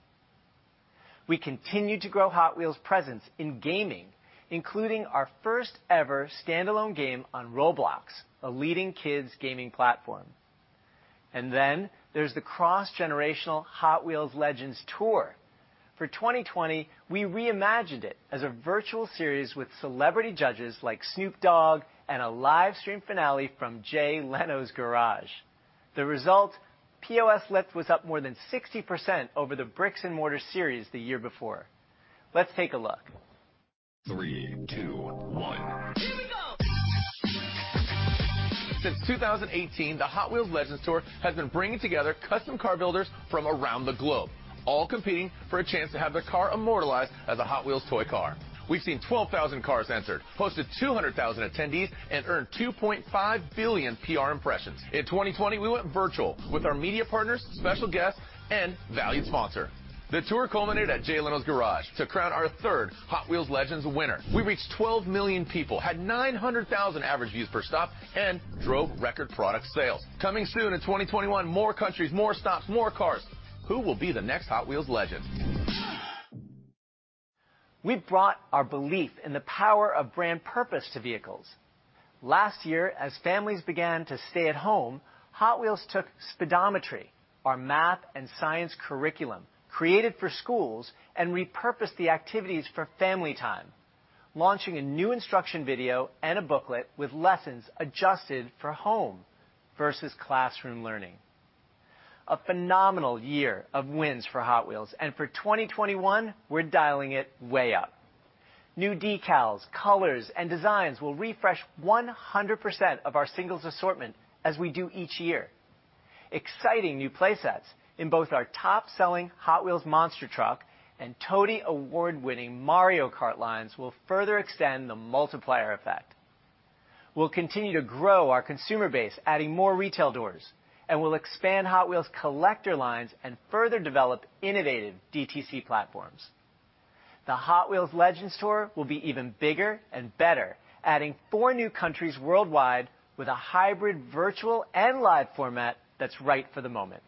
We continue to grow Hot Wheels' presence in gaming, including our first-ever standalone game on Roblox, a leading kids' gaming platform. There is the cross-generational Hot Wheels Legends Tour. For 2020, we reimagined it as a virtual series with celebrity judges like Snoop Dogg and a live-stream finale from Jay Leno's Garage. The result, POS lift was up more than 60% over the bricks-and-mortar series the year before. Let's take a look. Three, two, one. Here we go. Since 2018, the Hot Wheels Legends Tour has been bringing together custom car builders from around the globe, all competing for a chance to have their car immortalized as a Hot Wheels toy car. We've seen 12,000 cars entered, hosted 200,000 attendees, and earned 2.5 billion PR impressions. In 2020, we went virtual with our media partners, special guests, and valued sponsor. The tour culminated at Jay Leno's Garage to crown our third Hot Wheels Legends winner. We reached 12 million people, had 900,000 average views per stop, and drove record product sales. Coming soon in 2021, more countries, more stops, more cars. Who will be the next Hot Wheels Legends? We brought our belief in the power of brand purpose to vehicles. Last year, as families began to stay at home, Hot Wheels took Speedometry, our math and science curriculum created for schools, and repurposed the activities for family time, launching a new instruction video and a booklet with lessons adjusted for home versus classroom learning. A phenomenal year of wins for Hot Wheels, and for 2021, we're dialing it way up. New decals, colors, and designs will refresh 100% of our singles assortment as we do each year. Exciting new playsets in both our top-selling Hot Wheels Monster Truck and Toy award-winning Mario Kart lines will further extend the multiplier effect. We'll continue to grow our consumer base, adding more retail doors, and we'll expand Hot Wheels collector lines and further develop innovative DTC platforms. The Hot Wheels Legends Tour will be even bigger and better, adding four new countries worldwide with a hybrid virtual and live format that's right for the moment.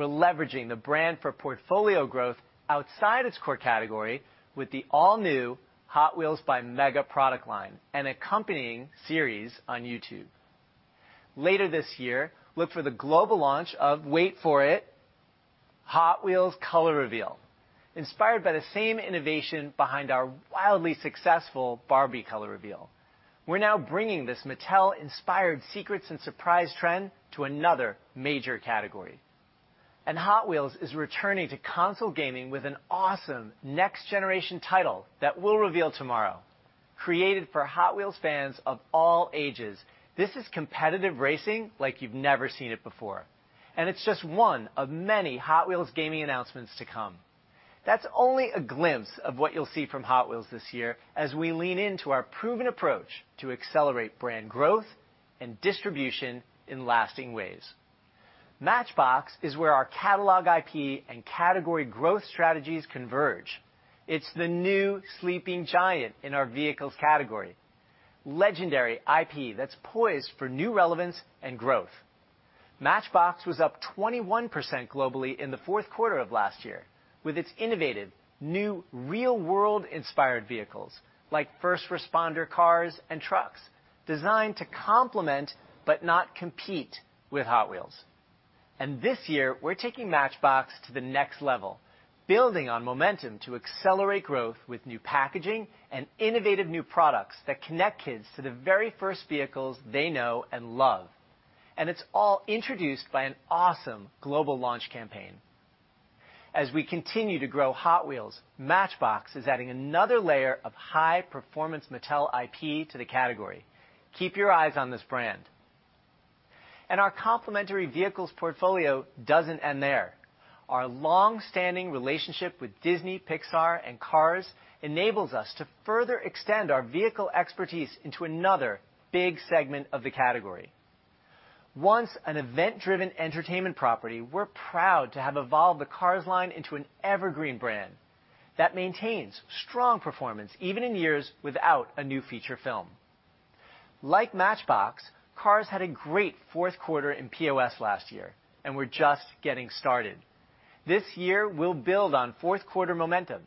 We're leveraging the brand for portfolio growth outside its core category with the all-new Hot Wheels by MEGA product line and accompanying series on YouTube. Later this year, look for the global launch of, wait for it, Hot Wheels Color Reveal, inspired by the same innovation behind our wildly successful Barbie Color Reveal. We're now bringing this Mattel-inspired secrets and surprise trend to another major category. Hot Wheels is returning to console gaming with an awesome next-generation title that we'll reveal tomorrow. Created for Hot Wheels fans of all ages, this is competitive racing like you've never seen it before. It's just one of many Hot Wheels gaming announcements to come. That's only a glimpse of what you'll see from Hot Wheels this year as we lean into our proven approach to accelerate brand growth and distribution in lasting ways. Matchbox is where our catalog IP and category growth strategies converge. It's the new sleeping giant in our vehicles category, legendary IP that's poised for new relevance and growth. Matchbox was up 21% globally in the fourth quarter of last year with its innovative new real-world-inspired vehicles like first responder cars and trucks designed to complement but not compete with Hot Wheels. This year, we're taking Matchbox to the next level, building on momentum to accelerate growth with new packaging and innovative new products that connect kids to the very first vehicles they know and love. It's all introduced by an awesome global launch campaign. As we continue to grow Hot Wheels, Matchbox is adding another layer of high-performance Mattel IP to the category. Keep your eyes on this brand. Our complementary vehicles portfolio does not end there. Our long-standing relationship with Disney, Pixar, and Cars enables us to further extend our vehicle expertise into another big segment of the category. Once an event-driven entertainment property, we are proud to have evolved the Cars line into an evergreen brand that maintains strong performance even in years without a new feature film. Like Matchbox, Cars had a great fourth quarter in POS last year and we are just getting started. This year, we will build on fourth quarter momentum.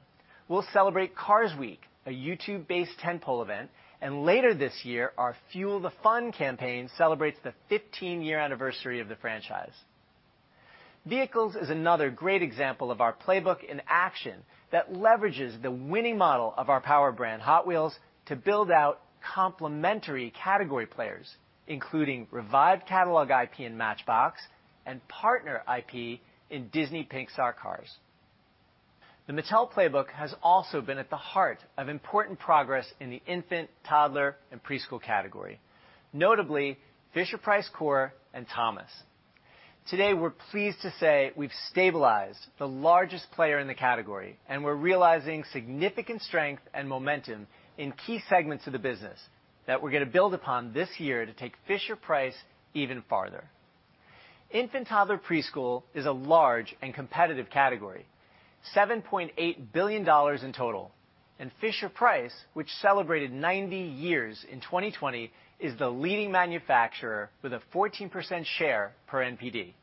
We will celebrate Cars Week, a YouTube-based tentpole event, and later this year, our Fuel the Fun campaign celebrates the 15-year anniversary of the franchise. Vehicles is another great example of our playbook in action that leverages the winning model of our power brand Hot Wheels to build out complementary category players, including revived catalog IP in Matchbox and partner IP in Disney Pixar Cars. The Mattel playbook has also been at the heart of important progress in the infant, toddler, and preschool category, notably Fisher-Price Core and Thomas. Today, we're pleased to say we've stabilized the largest player in the category, and we're realizing significant strength and momentum in key segments of the business that we're going to build upon this year to take Fisher-Price even farther. Infant, toddler, preschool is a large and competitive category, $7.8 billion in total, and Fisher-Price, which celebrated 90 years in 2020, is the leading manufacturer with a 14% share per NPD.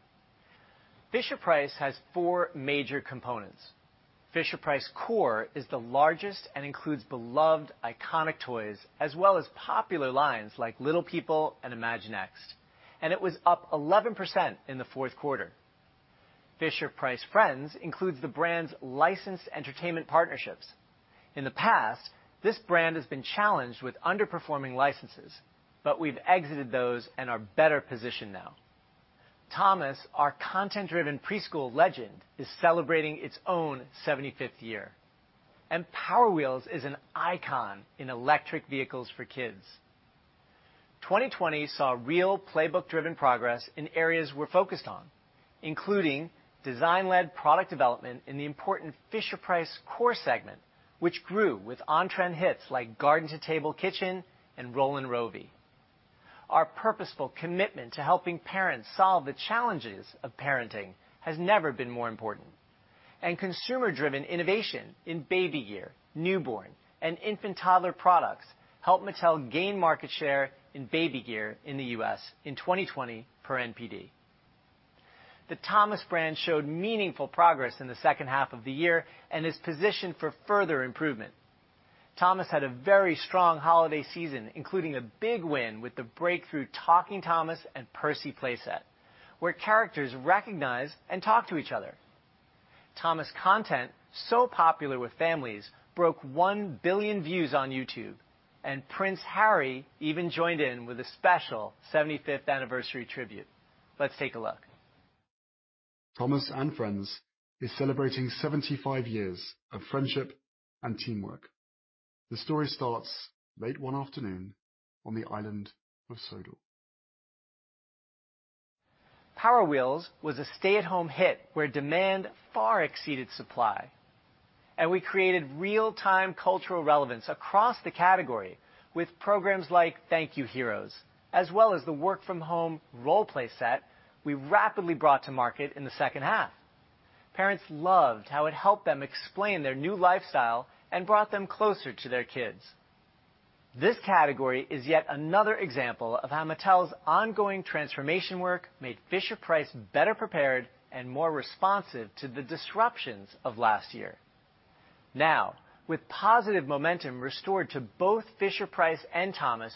Fisher-Price has four major components. Fisher-Price Core is the largest and includes beloved iconic toys as well as popular lines like Little People and Imaginext, and it was up 11% in the fourth quarter. Fisher-Price Friends includes the brand's licensed entertainment partnerships. In the past, this brand has been challenged with underperforming licenses, but we've exited those and are better positioned now. Thomas, our content-driven preschool legend, is celebrating its own 75th year, and Power Wheels is an icon in electric vehicles for kids. 2020 saw real playbook-driven progress in areas we're focused on, including design-led product development in the important Fisher-Price Core segment, which grew with on-trend hits like Garden to Table Kitchen and Rollin' Rovee. Our purposeful commitment to helping parents solve the challenges of parenting has never been more important, and consumer-driven innovation in baby gear, newborn, and infant, toddler products helped Mattel gain market share in baby gear in the U.S. in 2020 per NPD. The Thomas brand showed meaningful progress in the second half of the year and is positioned for further improvement. Thomas had a very strong holiday season, including a big win with the breakthrough Talking Thomas and Percy playset, where characters recognize and talk to each other. Thomas content, so popular with families, broke 1 billion views on YouTube, and Prince Harry even joined in with a special 75th anniversary tribute. Let's take a look. Thomas & Friends is celebrating 75 years of friendship and teamwork. The story starts late one afternoon on the island of Sodor. Power Wheels was a stay-at-home hit where demand far exceeded supply, and we created real-time cultural relevance across the category with programs like Thank You Heroes, as well as the work-from-home role-play set we rapidly brought to market in the second half. Parents loved how it helped them explain their new lifestyle and brought them closer to their kids. This category is yet another example of how Mattel's ongoing transformation work made Fisher-Price better prepared and more responsive to the disruptions of last year. Now, with positive momentum restored to both Fisher-Price and Thomas,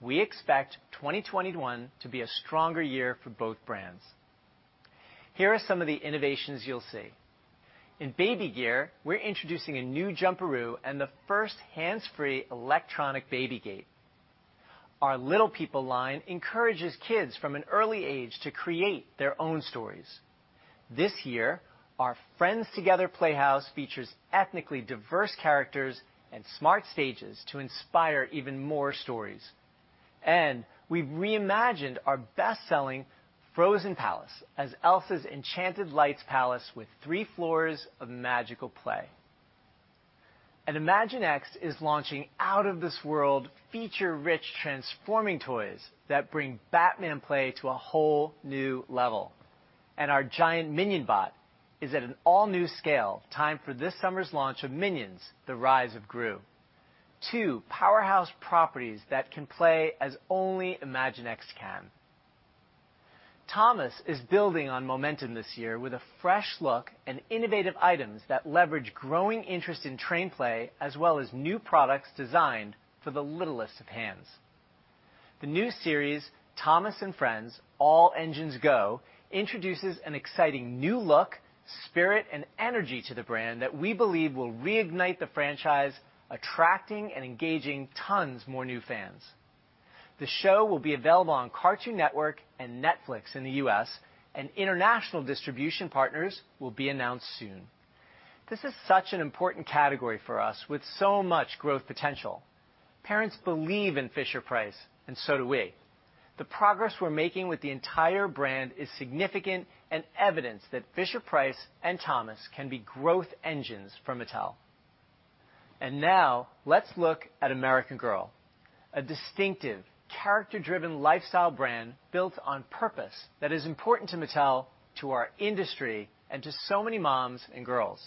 we expect 2021 to be a stronger year for both brands. Here are some of the innovations you'll see. In baby gear, we're introducing a new Jumperoo and the first hands-free electronic baby gate. Our Little People line encourages kids from an early age to create their own stories. This year, our Friends Together Playhouse features ethnically diverse characters and smart stages to inspire even more stories. We have reimagined our best-selling Frozen Palace as Elsa's Enchanted Lights Palace with three floors of magical play. Imaginext is launching out-of-this-world feature-rich transforming toys that bring Batman play to a whole new level. Our giant Minion bot is at an all-new scale, in time for this summer's launch of Minions: The Rise of Gru, two powerhouse properties that can play as only Imaginext can. Thomas is building on momentum this year with a fresh look and innovative items that leverage growing interest in train play as well as new products designed for the littlest of hands. The new series, Thomas & Friends: All Engines Go, introduces an exciting new look, spirit, and energy to the brand that we believe will reignite the franchise, attracting and engaging tons more new fans. The show will be available on Cartoon Network and Netflix in the U.S., and international distribution partners will be announced soon. This is such an important category for us with so much growth potential. Parents believe in Fisher-Price, and so do we. The progress we're making with the entire brand is significant and evidence that Fisher-Price and Thomas can be growth engines for Mattel. Now, let's look at American Girl, a distinctive, character-driven lifestyle brand built on purpose that is important to Mattel, to our industry, and to so many moms and girls.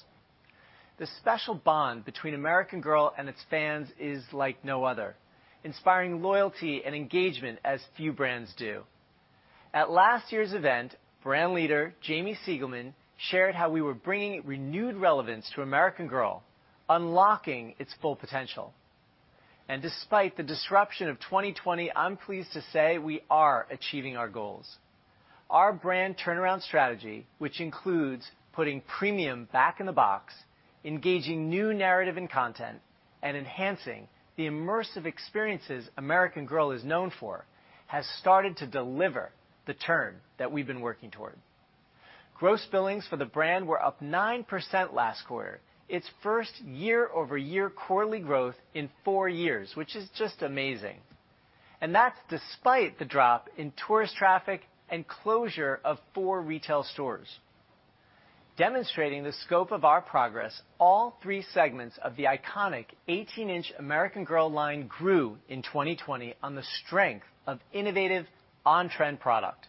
The special bond between American Girl and its fans is like no other, inspiring loyalty and engagement as few brands do. At last year's event, brand leader Jamie Siegelman shared how we were bringing renewed relevance to American Girl, unlocking its full potential. Despite the disruption of 2020, I'm pleased to say we are achieving our goals. Our brand turnaround strategy, which includes putting premium back in the box, engaging new narrative and content, and enhancing the immersive experiences American Girl is known for, has started to deliver the turn that we've been working toward. Gross billings for the brand were up 9% last quarter, its first year-over-year quarterly growth in four years, which is just amazing. That's despite the drop in tourist traffic and closure of four retail stores. Demonstrating the scope of our progress, all three segments of the iconic 18-inch American Girl line grew in 2020 on the strength of innovative on-trend product.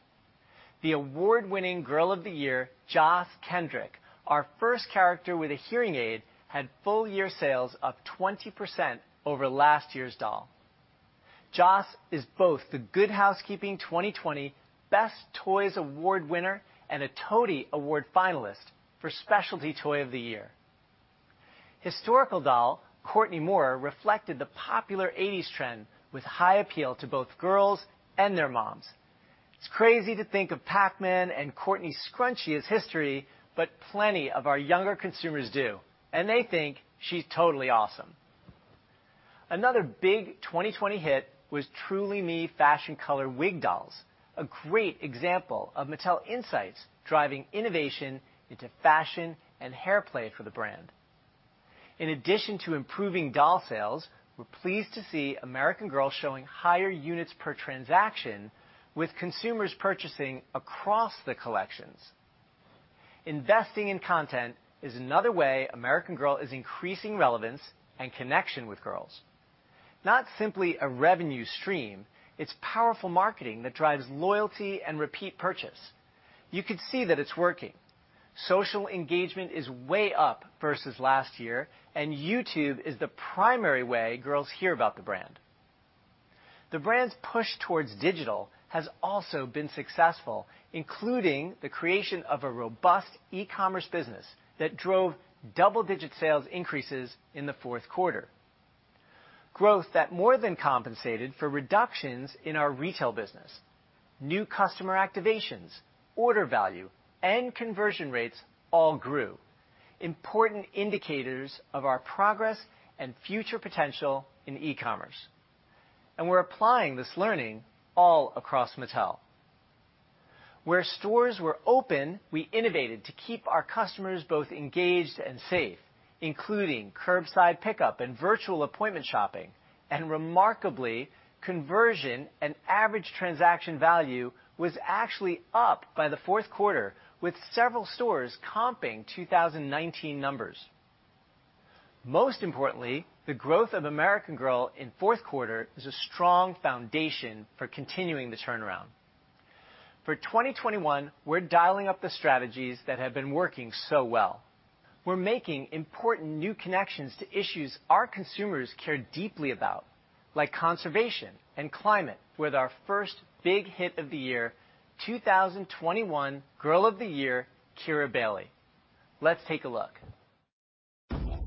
The award-winning Girl of the Year, Joss Kendrick, our first character with a hearing aid, had full year sales up 20% over last year's doll. Joss is both the Good Housekeeping 2020 Best Toys Award winner and a Toy award finalist for Specialty Toy of the Year. Historical doll, Courtney Moore, reflected the popular '80s trend with high appeal to both girls and their moms. It's crazy to think of Pac-Man and Courtney's scrunchie as history, but plenty of our younger consumers do, and they think she's totally awesome. Another big 2020 hit was Truly Me fashion color wig dolls, a great example of Mattel insights driving innovation into fashion and hair play for the brand. In addition to improving doll sales, we're pleased to see American Girl showing higher units per transaction, with consumers purchasing across the collections. Investing in content is another way American Girl is increasing relevance and connection with girls. Not simply a revenue stream, it's powerful marketing that drives loyalty and repeat purchase. You could see that it's working. Social engagement is way up versus last year, and YouTube is the primary way girls hear about the brand. The brand's push towards digital has also been successful, including the creation of a robust e-commerce business that drove double-digit sales increases in the fourth quarter. Growth that more than compensated for reductions in our retail business. New customer activations, order value, and conversion rates all grew, important indicators of our progress and future potential in e-commerce. We're applying this learning all across Mattel. Where stores were open, we innovated to keep our customers both engaged and safe, including curbside pickup and virtual appointment shopping. Remarkably, conversion and average transaction value was actually up by the fourth quarter, with several stores comping 2019 numbers. Most importantly, the growth of American Girl in fourth quarter is a strong foundation for continuing the turnaround. For 2021, we're dialing up the strategies that have been working so well. We're making important new connections to issues our consumers care deeply about, like conservation and climate, with our first big hit of the year, 2021 Girl of the Year, Kira Bailey. Let's take a look.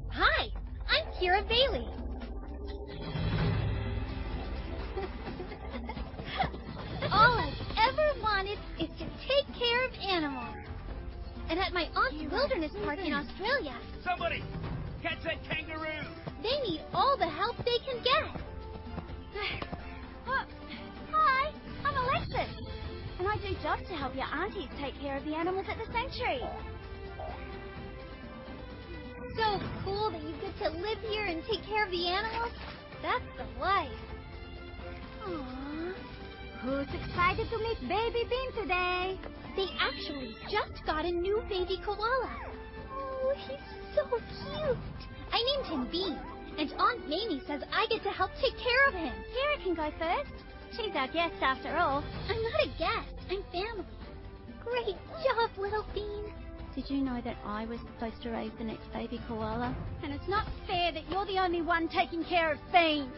Hi, I'm Kira Bailey. All I've ever wanted is to take care of animals. And at my aunt's wilderness park in Australia. Somebody! Catch that kangaroo! They need all the help they can get. Hi, I'm Alexis. And I do jobs to help your aunties take care of the animals at the sanctuary. So cool that you get to live here and take care of the animals. That's the life. Aw. Who's excited to meet Baby Bean today? They actually just got a new baby koala. Oh, he's so cute. I named him Bean, and Aunt Mamie says I get to help take care of him. Keira can go first. She's our guest after all. I'm not a guest. I'm family. Great job, little Bean. Did you know that I was supposed to raise the next baby koala? It's not fair that you're the only one taking care of Bean.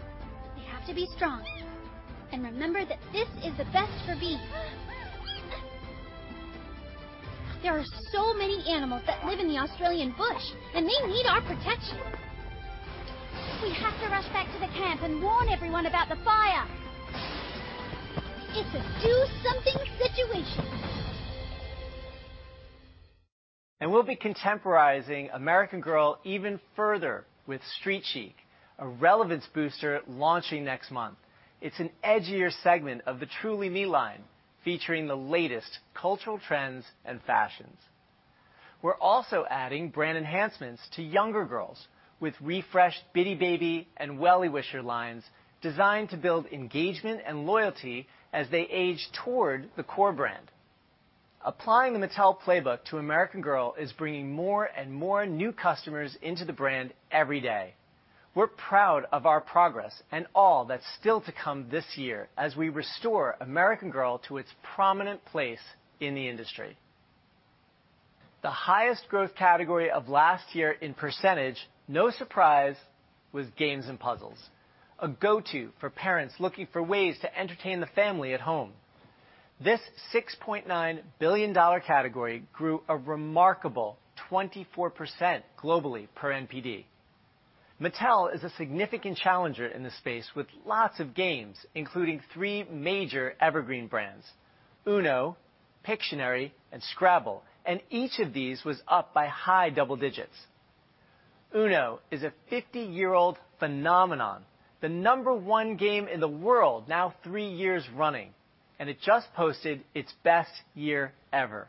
They have to be strong. Remember that this is the best for Bean. There are so many animals that live in the Australian bush, and they need our protection. We have to rush back to the camp and warn everyone about the fire. It's a do-something situation. We'll be contemporizing American Girl even further with Street Chic, a relevance booster launching next month. It's an edgier segment of the Truly Me line, featuring the latest cultural trends and fashions. We're also adding brand enhancements to younger girls with refreshed Bitty Baby and Wellie Wishers lines designed to build engagement and loyalty as they age toward the core brand. Applying the Mattel playbook to American Girl is bringing more and more new customers into the brand every day. We're proud of our progress and all that's still to come this year as we restore American Girl to its prominent place in the industry. The highest growth category of last year in percentage, no surprise, was games and puzzles, a go-to for parents looking for ways to entertain the family at home. This $6.9 billion category grew a remarkable 24% globally per NPD. Mattel is a significant challenger in the space with lots of games, including three major evergreen brands: Uno, Pictionary, and Scrabble, and each of these was up by high double digits. Uno is a 50-year-old phenomenon, the number one game in the world now three years running, and it just posted its best year ever.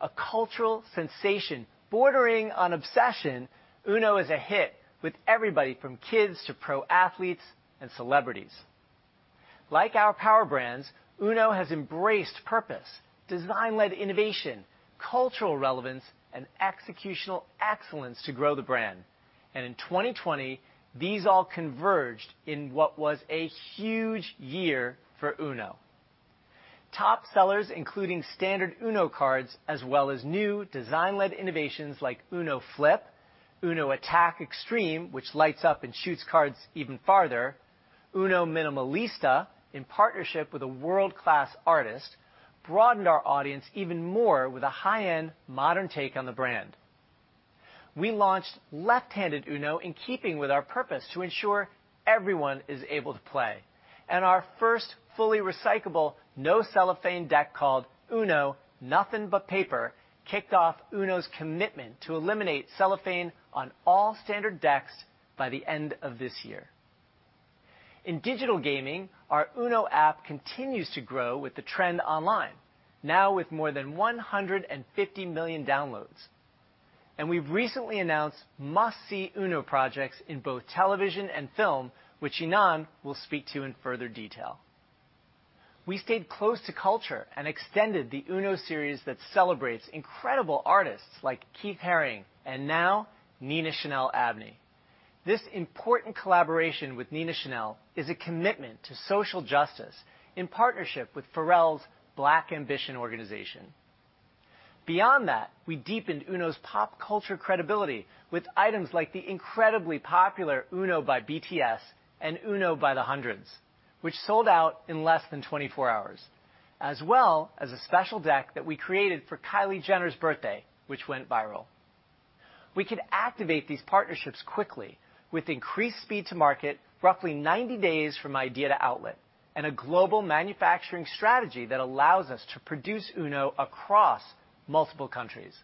A cultural sensation bordering on obsession, Uno is a hit with everybody from kids to pro athletes and celebrities. Like our power brands, Uno has embraced purpose, design-led innovation, cultural relevance, and executional excellence to grow the brand. In 2020, these all converged in what was a huge year for Uno. Top sellers, including standard Uno cards, as well as new design-led innovations like Uno Flip, Uno Attack Extreme, which lights up and shoots cards even farther, Uno Minimalista in partnership with a world-class artist, broadened our audience even more with a high-end modern take on the brand. We launched left-handed Uno in keeping with our purpose to ensure everyone is able to play. Our first fully recyclable, no cellophane deck called Uno, Nothing But Paper, kicked off Uno's commitment to eliminate cellophane on all standard decks by the end of this year. In digital gaming, our Uno app continues to grow with the trend online, now with more than 150 million downloads. We have recently announced must-see Uno projects in both television and film, which Ynon will speak to in further detail. We stayed close to culture and extended the Uno series that celebrates incredible artists like Keith Haring and now Nina Chanel Abney. This important collaboration with Nina Chanel is a commitment to social justice in partnership with Pharrell's Black Ambition organization. Beyond that, we deepened Uno's pop culture credibility with items like the incredibly popular Uno by BTS and Uno by The Hundreds, which sold out in less than 24 hours, as well as a special deck that we created for Kylie Jenner's birthday, which went viral. We could activate these partnerships quickly with increased speed to market, roughly 90 days from idea to outlet, and a global manufacturing strategy that allows us to produce Uno across multiple countries.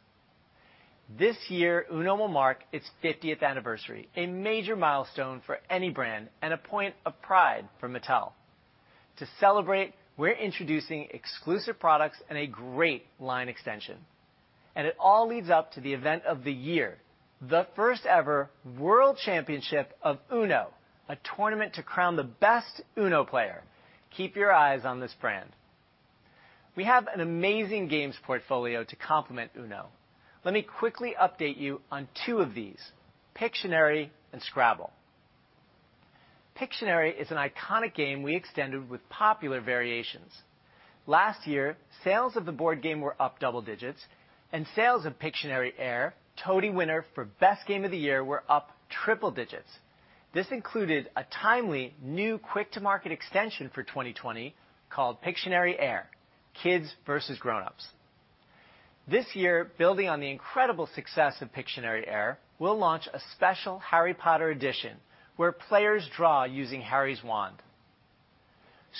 This year, Uno will mark its 50th anniversary, a major milestone for any brand and a point of pride for Mattel. To celebrate, we're introducing exclusive products and a great line extension. It all leads up to the event of the year, the first-ever World Championship of Uno, a tournament to crown the best Uno player. Keep your eyes on this brand. We have an amazing games portfolio to complement Uno. Let me quickly update you on two of these: Pictionary and Scrabble. Pictionary is an iconic game we extended with popular variations. Last year, sales of the board game were up double digits, and sales of Pictionary Air, Toy winner for best game of the year, were up triple digits. This included a timely new quick-to-market extension for 2020 called Pictionary Air, Kids vs. Grown-ups. This year, building on the incredible success of Pictionary Air, we'll launch a special Harry Potter edition where players draw using Harry's wand.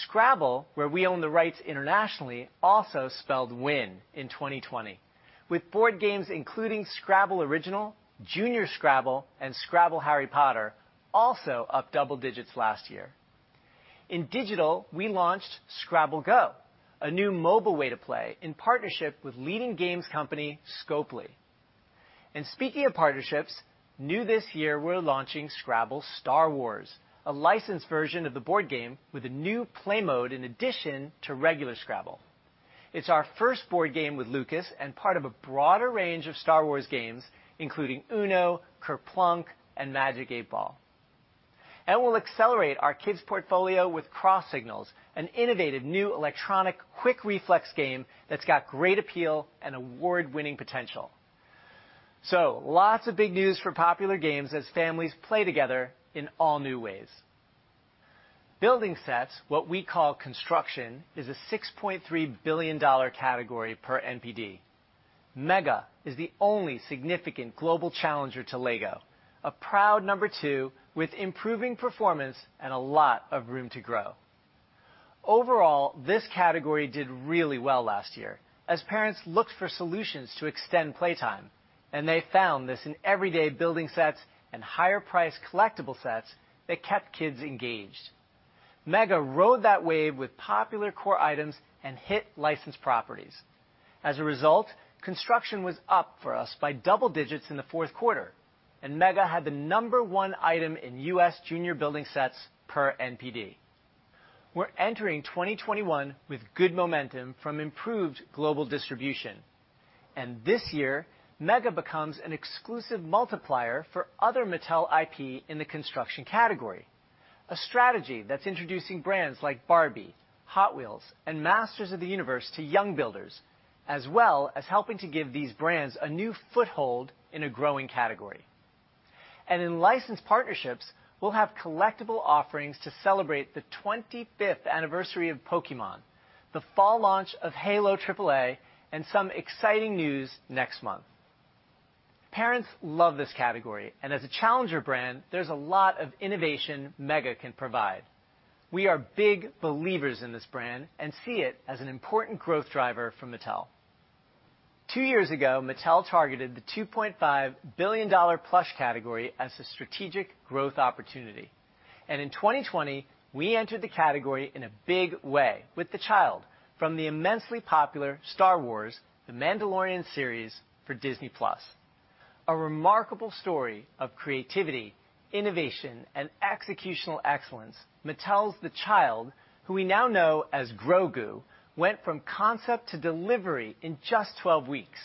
Scrabble, where we own the rights internationally, also spelled win in 2020, with board games including Scrabble Original, Junior Scrabble, and Scrabble Harry Potter also up double digits last year. In digital, we launched Scrabble Go, a new mobile way to play in partnership with leading games company Scopely. Speaking of partnerships, new this year, we're launching Scrabble Star Wars, a licensed version of the board game with a new play mode in addition to regular Scrabble. It's our first board game with Lucas and part of a broader range of Star Wars games, including Uno, Kerplunk, and Magic 8 Ball. We'll accelerate our kids' portfolio with Cross Signals, an innovative new electronic quick reflex game that's got great appeal and award-winning potential. Lots of big news for popular games as families play together in all new ways. Building sets, what we call Construction, is a $6.3 billion category per NPD. MEGA is the only significant global challenger to LEGO, a proud number two with improving performance and a lot of room to grow. Overall, this category did really well last year as parents looked for solutions to extend playtime, and they found this in everyday building sets and higher-priced collectible sets that kept kids engaged. MEGA rode that wave with popular core items and hit licensed properties. As a result, construction was up for us by double digits in the fourth quarter, and MEGA had the number one item in U.S. junior building sets per NPD. We are entering 2021 with good momentum from improved global distribution. This year, MEGA becomes an exclusive multiplier for other Mattel IP in the construction category, a strategy that is introducing brands like Barbie, Hot Wheels, and Masters of the Universe to young builders, as well as helping to give these brands a new foothold in a growing category. In licensed partnerships, we'll have collectible offerings to celebrate the 25th anniversary of Pokémon, the fall launch of Halo AAA, and some exciting news next month. Parents love this category, and as a challenger brand, there's a lot of innovation MEGA can provide. We are big believers in this brand and see it as an important growth driver for Mattel. Two years ago, Mattel targeted the $2.5 billion plush category as a strategic growth opportunity. In 2020, we entered the category in a big way with The Child from the immensely popular Star Wars, The Mandalorian series for Disney+. A remarkable story of creativity, innovation, and executional excellence, Mattel's The Child, who we now know as Grogu, went from concept to delivery in just 12 weeks.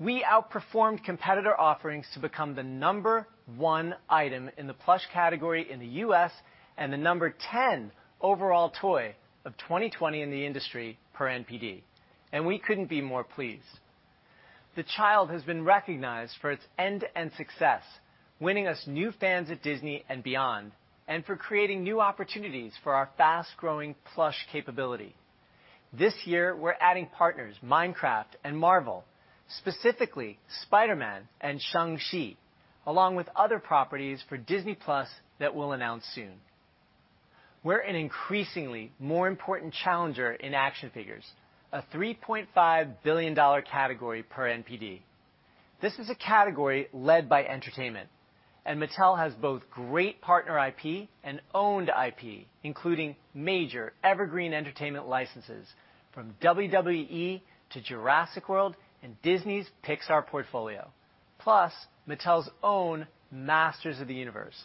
We outperformed competitor offerings to become the number one item in the plush category in the U.S. and the number 10 overall toy of 2020 in the industry per NPD. We could not be more pleased. The Child has been recognized for its end-to-end success, winning us new fans at Disney and beyond, and for creating new opportunities for our fast-growing plush capability. This year, we are adding partners Minecraft and Marvel, specifically Spider-Man and Shang-Chi, along with other properties for Disney+ that we will announce soon. We are an increasingly more important challenger in action figures, a $3.5 billion category per NPD. This is a category led by entertainment, and Mattel has both great partner IP and owned IP, including major evergreen entertainment licenses from WWE to Jurassic World and Disney's Pixar portfolio, plus Mattel's own Masters of the Universe.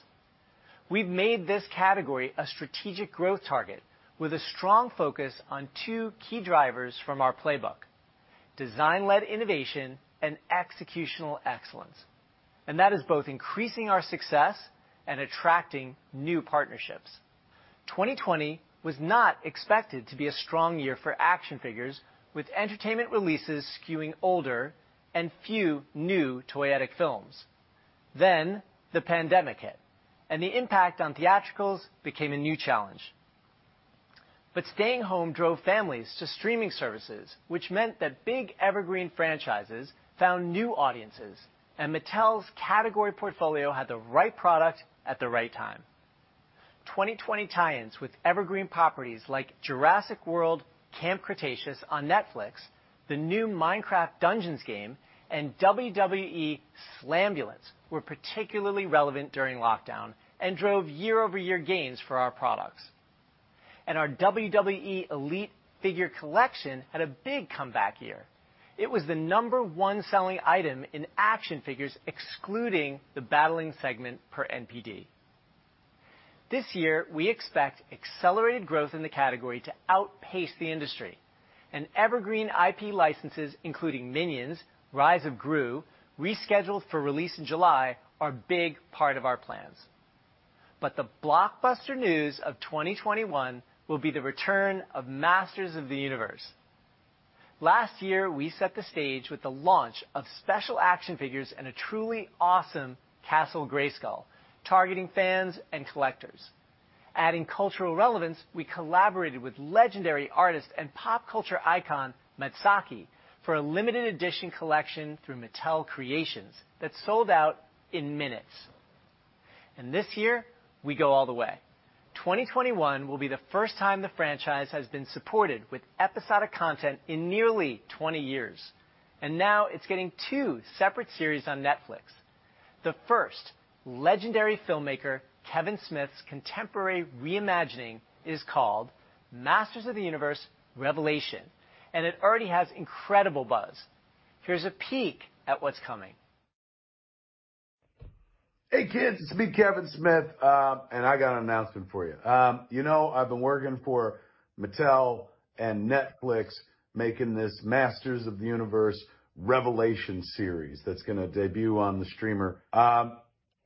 We've made this category a strategic growth target with a strong focus on two key drivers from our playbook: design-led innovation and executional excellence. That is both increasing our success and attracting new partnerships. 2020 was not expected to be a strong year for action figures, with entertainment releases skewing older and few new Toyetic films. The pandemic hit, and the impact on theatricals became a new challenge. Staying home drove families to streaming services, which meant that big evergreen franchises found new audiences, and Mattel's category portfolio had the right product at the right time. 2020 tie-ins with evergreen properties like Jurassic World: Camp Cretaceous on Netflix, the new Minecraft Dungeons game, and WWE Slam Titles were particularly relevant during lockdown and drove year-over-year gains for our products. Our WWE Elite Figure collection had a big comeback year. It was the number one selling item in action figures, excluding the battling segment per NPD. This year, we expect accelerated growth in the category to outpace the industry. Evergreen IP licenses, including Minions, Rise of Gru, rescheduled for release in July, are a big part of our plans. The blockbuster news of 2021 will be the return of Masters of the Universe. Last year, we set the stage with the launch of special action figures and a truly awesome Castle Grayskull, targeting fans and collectors. Adding cultural relevance, we collaborated with legendary artist and pop culture icon MADSAKI for a limited edition collection through Mattel Creations that sold out in minutes. This year, we go all the way. 2021 will be the first time the franchise has been supported with episodic content in nearly 20 years. Now it is getting two separate series on Netflix. The first, legendary filmmaker Kevin Smith's contemporary reimagining is called Masters of the Universe: Revelation, and it already has incredible buzz. Here's a peek at what's coming. Hey, kids, it's me, Kevin Smith, and I got an announcement for you. You know I've been working for Mattel and Netflix making this Masters of the Universe: Revelation series that's going to debut on the streamer. I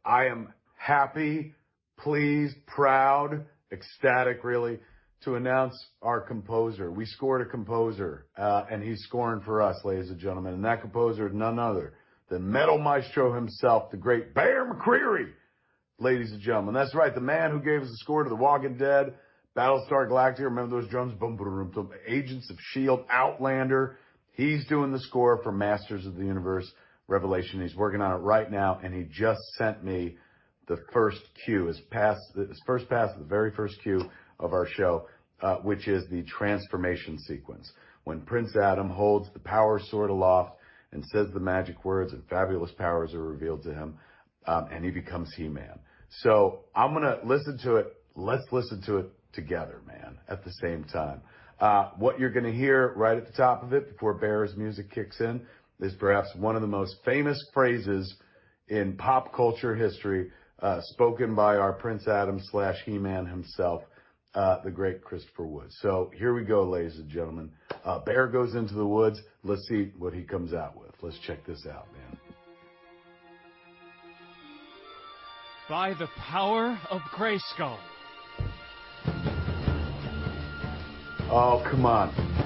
am happy, pleased, proud, ecstatic, really, to announce our composer. We scored a composer, and he's scoring for us, ladies and gentlemen. And that composer is none other than Metal Maestro himself, the great Bear McCreary, ladies and gentlemen. That's right, the man who gave us the score to The Walking Dead, Battlestar Galactica, remember those drums? Agents of Shield, Outlander. He's doing the score for Masters of the Universe: Revelation. He's working on it right now, and he just sent me the first cue, his first pass, the very first cue of our show, which is the transformation sequence when Prince Adam holds the power sword aloft and says the magic words, and fabulous powers are revealed to him, and he becomes He-Man. I am going to listen to it. Let's listen to it together, man, at the same time. What you're going to hear right at the top of it before Bear's music kicks in is perhaps one of the most famous phrases in pop culture history spoken by our Prince Adam slash He-Man himself, the great Christopher Wood. Here we go, ladies and gentlemen. Bear goes into the woods. Let's see what he comes out with. Let's check this out, man. By the power of Grayskull. Oh, come on.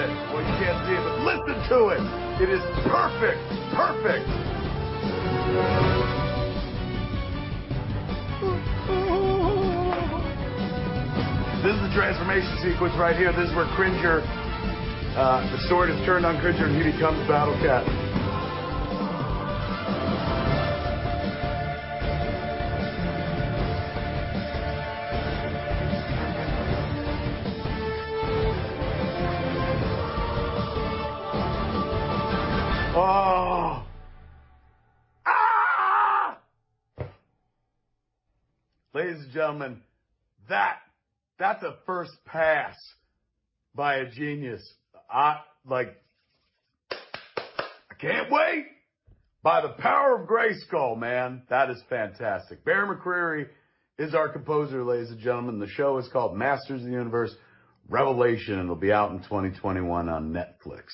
I have the power of the grass. Oh, Bear. Oh, Bear. Bear, man. Look at it. You can't see it, but listen to it. It is perfect. Perfect. This is the transformation sequence right here. This is where the sword is turned on Cringer, and here he comes, Battle Cat. Oh. Ladies and gentlemen, that's a first pass by a genius. I can't wait. By the power of Grayskull, man. That is fantastic. Bear McCreary is our composer, ladies and gentlemen. The show is called Masters of the Universe: Revelation, and it will be out in 2021 on Netflix.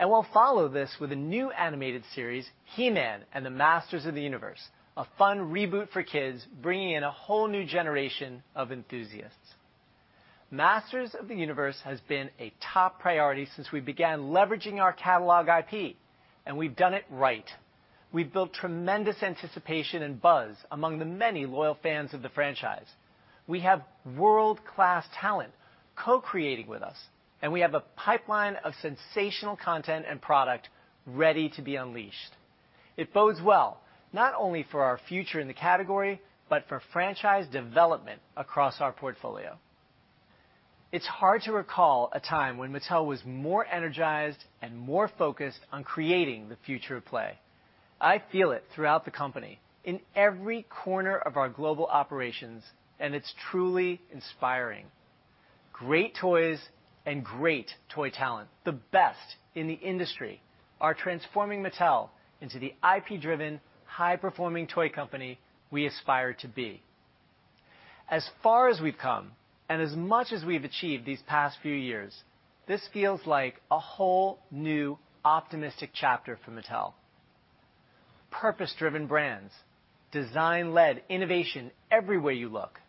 We will follow this with a new animated series, He-Man and the Masters of the Universe, a fun reboot for kids bringing in a whole new generation of enthusiasts. Masters of the Universe has been a top priority since we began leveraging our catalog IP, and we've done it right. We've built tremendous anticipation and buzz among the many loyal fans of the franchise. We have world-class talent co-creating with us, and we have a pipeline of sensational content and product ready to be unleashed. It bodes well, not only for our future in the category, but for franchise development across our portfolio. It's hard to recall a time when Mattel was more energized and more focused on creating the future of play. I feel it throughout the company, in every corner of our global operations, and it's truly inspiring. Great toys and great toy talent, the best in the industry, are transforming Mattel into the IP-driven, high-performing toy company we aspire to be. As far as we've come and as much as we've achieved these past few years, this feels like a whole new optimistic chapter for Mattel. Purpose-driven brands, design-led innovation everywhere you look,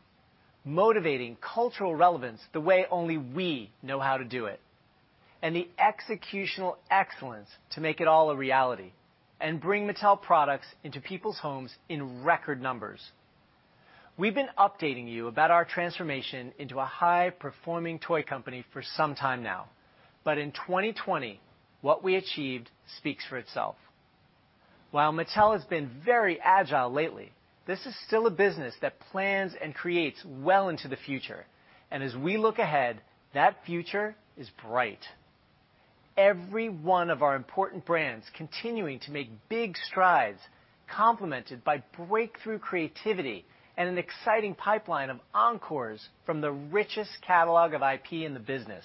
motivating cultural relevance the way only we know how to do it, and the executional excellence to make it all a reality and bring Mattel products into people's homes in record numbers. We've been updating you about our transformation into a high-performing toy company for some time now, but in 2020, what we achieved speaks for itself. While Mattel has been very agile lately, this is still a business that plans and creates well into the future, and as we look ahead, that future is bright. Every one of our important brands continuing to make big strides, complemented by breakthrough creativity and an exciting pipeline of encores from the richest catalog of IP in the business.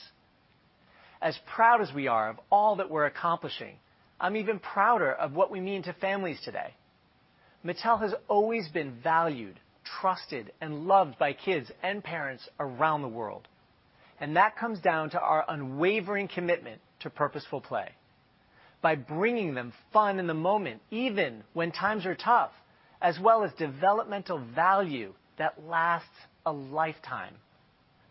As proud as we are of all that we're accomplishing, I'm even prouder of what we mean to families today. Mattel has always been valued, trusted, and loved by kids and parents around the world, and that comes down to our unwavering commitment to purposeful play. By bringing them fun in the moment, even when times are tough, as well as developmental value that lasts a lifetime,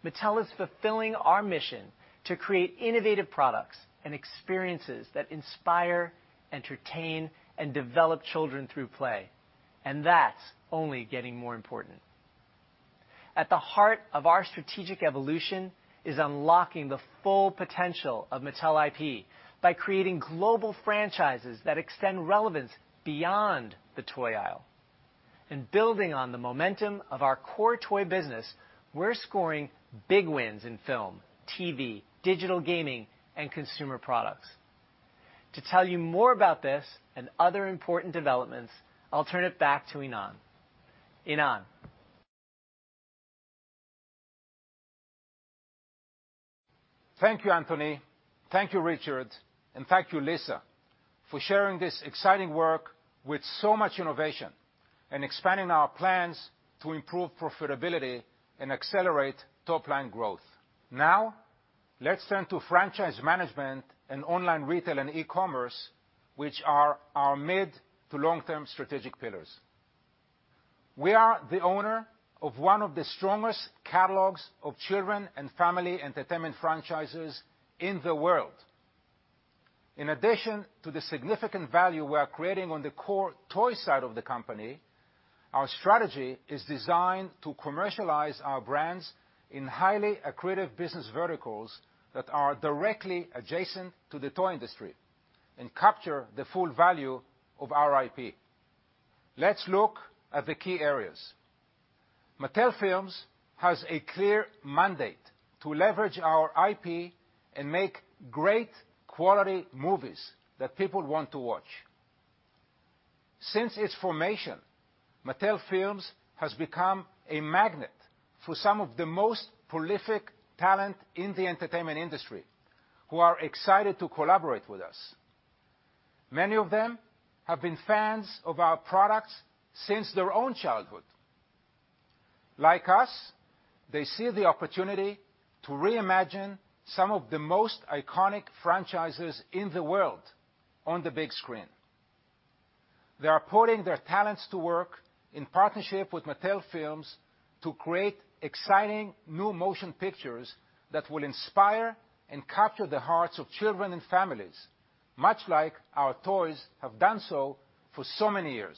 Mattel is fulfilling our mission to create innovative products and experiences that inspire, entertain, and develop children through play, and that's only getting more important. At the heart of our strategic evolution is unlocking the full potential of Mattel IP by creating global franchises that extend relevance beyond the toy aisle. Building on the momentum of our core toy business, we're scoring big wins in film, TV, digital gaming, and consumer products. To tell you more about this and other important developments, I'll turn it back to Ynon. Ynon. Thank you, Anthony. Thank you, Richard, and thank you, Lisa, for sharing this exciting work with so much innovation and expanding our plans to improve profitability and accelerate top-line growth. Now, let's turn to franchise management and online retail and e-commerce, which are our mid to long-term strategic pillars. We are the owner of one of the strongest catalogs of children and family entertainment franchises in the world. In addition to the significant value we are creating on the core toy side of the company, our strategy is designed to commercialize our brands in highly accretive business verticals that are directly adjacent to the toy industry and capture the full value of our IP. Let's look at the key areas. Mattel Films has a clear mandate to leverage our IP and make great quality movies that people want to watch. Since its formation, Mattel Films has become a magnet for some of the most prolific talent in the entertainment industry who are excited to collaborate with us. Many of them have been fans of our products since their own childhood. Like us, they see the opportunity to reimagine some of the most iconic franchises in the world on the big screen. They are putting their talents to work in partnership with Mattel Films to create exciting new motion pictures that will inspire and capture the hearts of children and families, much like our toys have done so for so many years.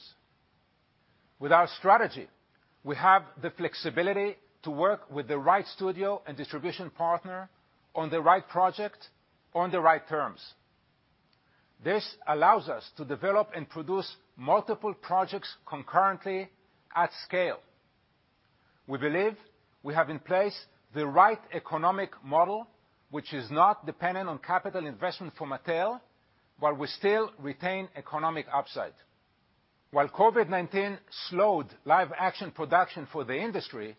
With our strategy, we have the flexibility to work with the right studio and distribution partner on the right project on the right terms. This allows us to develop and produce multiple projects concurrently at scale. We believe we have in place the right economic model, which is not dependent on capital investment for Mattel, while we still retain economic upside. While COVID-19 slowed live action production for the industry,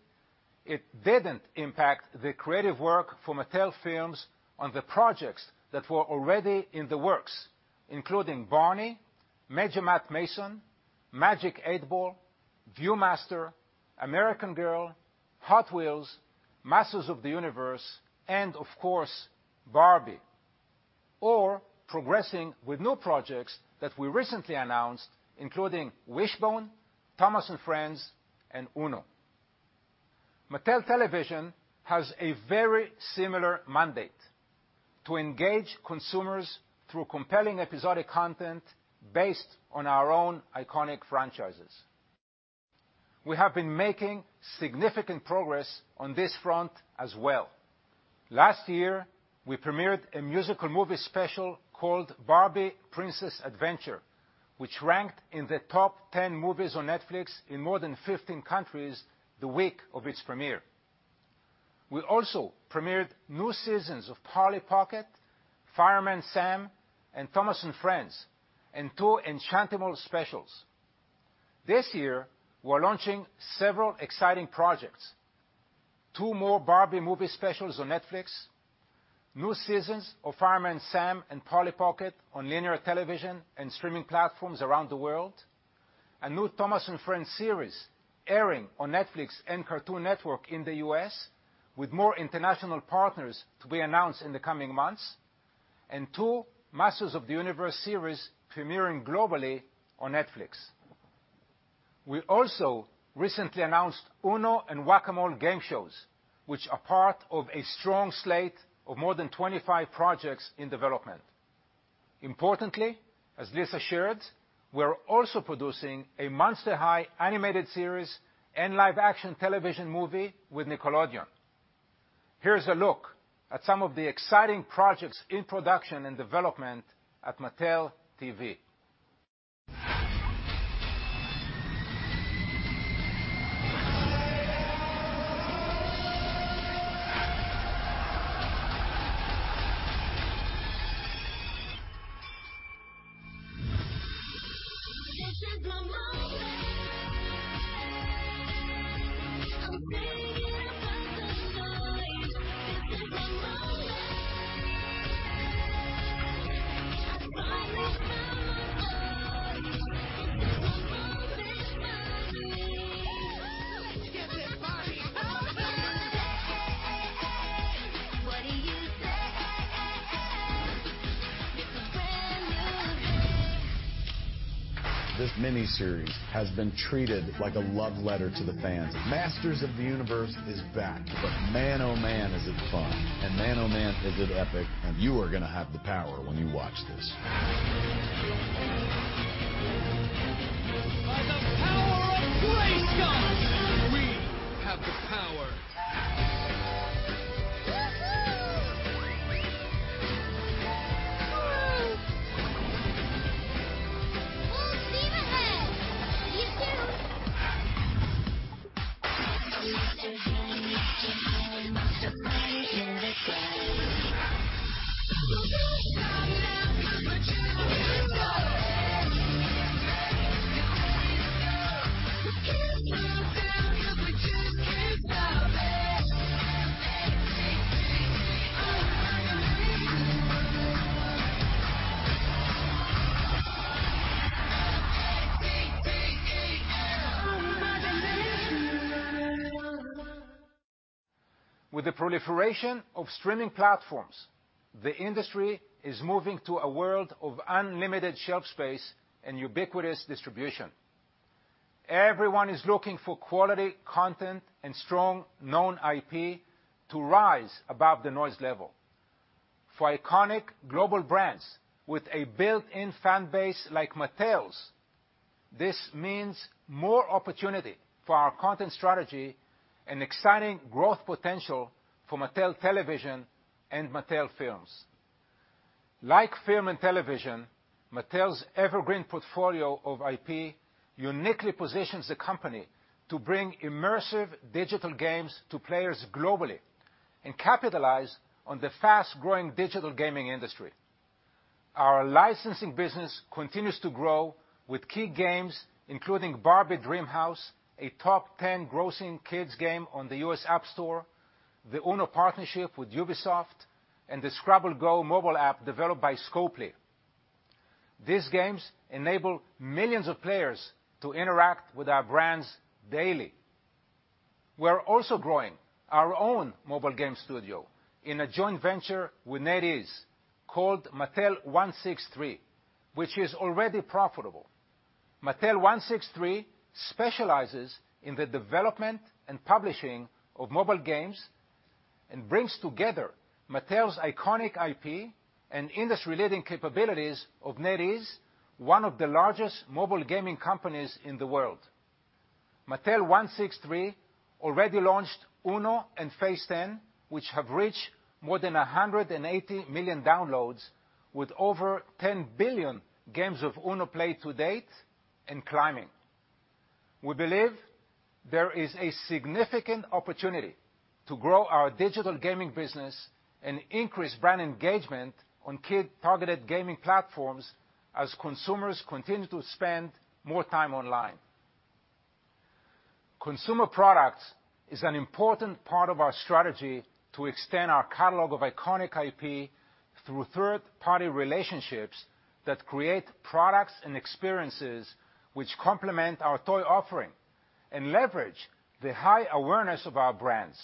it did not impact the creative work for Mattel Films on the projects that were already in the works, including Barney, Major Matt Mason, Magic 8 Ball, View-master, American Girl, Hot Wheels, Masters of the Universe, and of course, Barbie, or progressing with new projects that we recently announced, including Wishbone, Thomas & Friends, and Uno. Mattel Television has a very similar mandate to engage consumers through compelling episodic content based on our own iconic franchises. We have been making significant progress on this front as well. Last year, we premiered a musical movie special called Barbie: Princess Adventure, which ranked in the top 10 movies on Netflix in more than 15 countries the week of its premiere. We also premiered new seasons of Polly Pocket, Fireman Sam, and Thomas & Friends, and two enchanting specials. This year, we're launching several exciting projects: two more Barbie movie specials on Netflix, new seasons of Fireman Sam and Polly Pocket on linear television and streaming platforms around the world, a new Thomas & Friends series airing on Netflix and Cartoon Network in the U.S., with more international partners to be announced in the coming months, and two Masters of the Universe series premiering globally on Netflix. We also recently announced Uno and Whac-A-Mole game shows, which are part of a strong slate of more than 25 projects in development. Importantly, as Lisa shared, we're also producing a Monster High animated series and live action television movie with Nickelodeon. Here's a look at some of the exciting projects in production and development at Mattel Television. This is the moment. I'm singing about the noise. This is the moment. I finally found my voice. This is the moment for me. Let's get this party open. Hey, hey, hey, hey, hey. What do you say? It's a brand new day. This miniseries has been treated like a love letter to the fans. Masters of the Universe is back, but man, oh man, is it fun? And man, oh man, is it epic? You are going to have the power when you watch this. By the power of Grayskull, we have the power. Who's Stephen? You too. Mr. He-Man and Mr. Freddy in the cage. Don't stop now 'cause we just can't stop it. Hey, hey, hey, hey. Can't slow down 'cause we just can't stop it. With the proliferation of streaming platforms, the industry is moving to a world of unlimited shelf space and ubiquitous distribution. Everyone is looking for quality content and strong known IP to rise above the noise level. For iconic global brands with a built-in fan base like Mattel's, this means more opportunity for our content strategy and exciting growth potential for Mattel Television and Mattel Films. Like film and television, Mattel's evergreen portfolio of IP uniquely positions the company to bring immersive digital games to players globally and capitalize on the fast-growing digital gaming industry. Our licensing business continues to grow with key games, including Barbie Dreamhouse, a top 10 grossing kids' game on the U.S. App Store, the Uno partnership with Ubisoft, and the Scrabble Go mobile app developed by Scopely. These games enable millions of players to interact with our brands daily. We're also growing our own mobile game studio in a joint venture with NetEase called Mattel163, which is already profitable. Mattel 163 specializes in the development and publishing of mobile games and brings together Mattel's iconic IP and industry-leading capabilities of NetEase, one of the largest mobile gaming companies in the world. Mattel 163 already launched Uno and Phase 10, which have reached more than 180 million downloads, with over 10 billion games of Uno played to date and climbing. We believe there is a significant opportunity to grow our digital gaming business and increase brand engagement on kid-targeted gaming platforms as consumers continue to spend more time online. Consumer products is an important part of our strategy to extend our catalog of iconic IP through third-party relationships that create products and experiences which complement our toy offering and leverage the high awareness of our brands.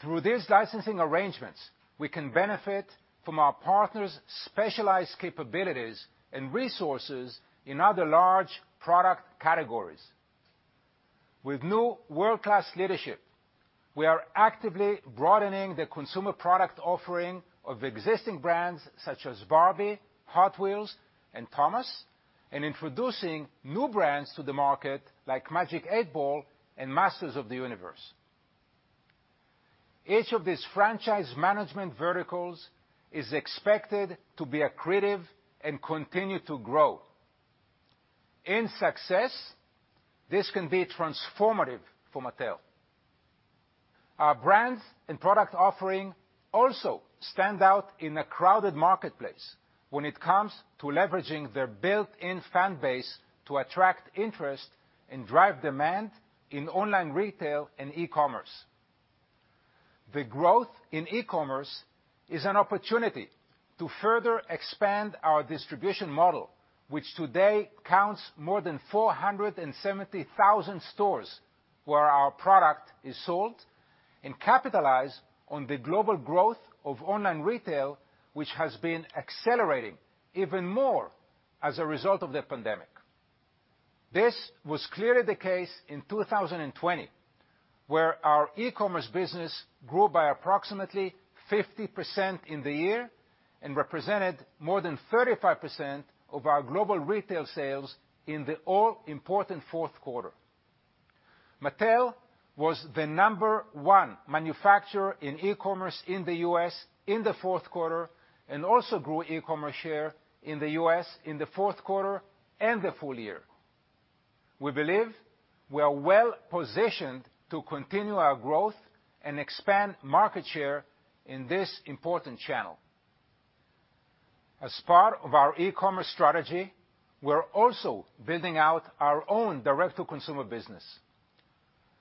Through these licensing arrangements, we can benefit from our partners' specialized capabilities and resources in other large product categories. With new world-class leadership, we are actively broadening the consumer product offering of existing brands such as Barbie, Hot Wheels, and Thomas, and introducing new brands to the market like Magic 8 Ball and Masters of the Universe. Each of these franchise management verticals is expected to be accretive and continue to grow. In success, this can be transformative for Mattel. Our brands and product offering also stand out in a crowded marketplace when it comes to leveraging their built-in fan base to attract interest and drive demand in online retail and e-commerce. The growth in e-commerce is an opportunity to further expand our distribution model, which today counts more than 470,000 stores where our product is sold, and capitalize on the global growth of online retail, which has been accelerating even more as a result of the pandemic. This was clearly the case in 2020, where our e-commerce business grew by approximately 50% in the year and represented more than 35% of our global retail sales in the all-important fourth quarter. Mattel was the number one manufacturer in e-commerce in the U.S. in the fourth quarter and also grew e-commerce share in the U.S. in the fourth quarter and the full year. We believe we are well positioned to continue our growth and expand market share in this important channel. As part of our e-commerce strategy, we're also building out our own direct-to-consumer business.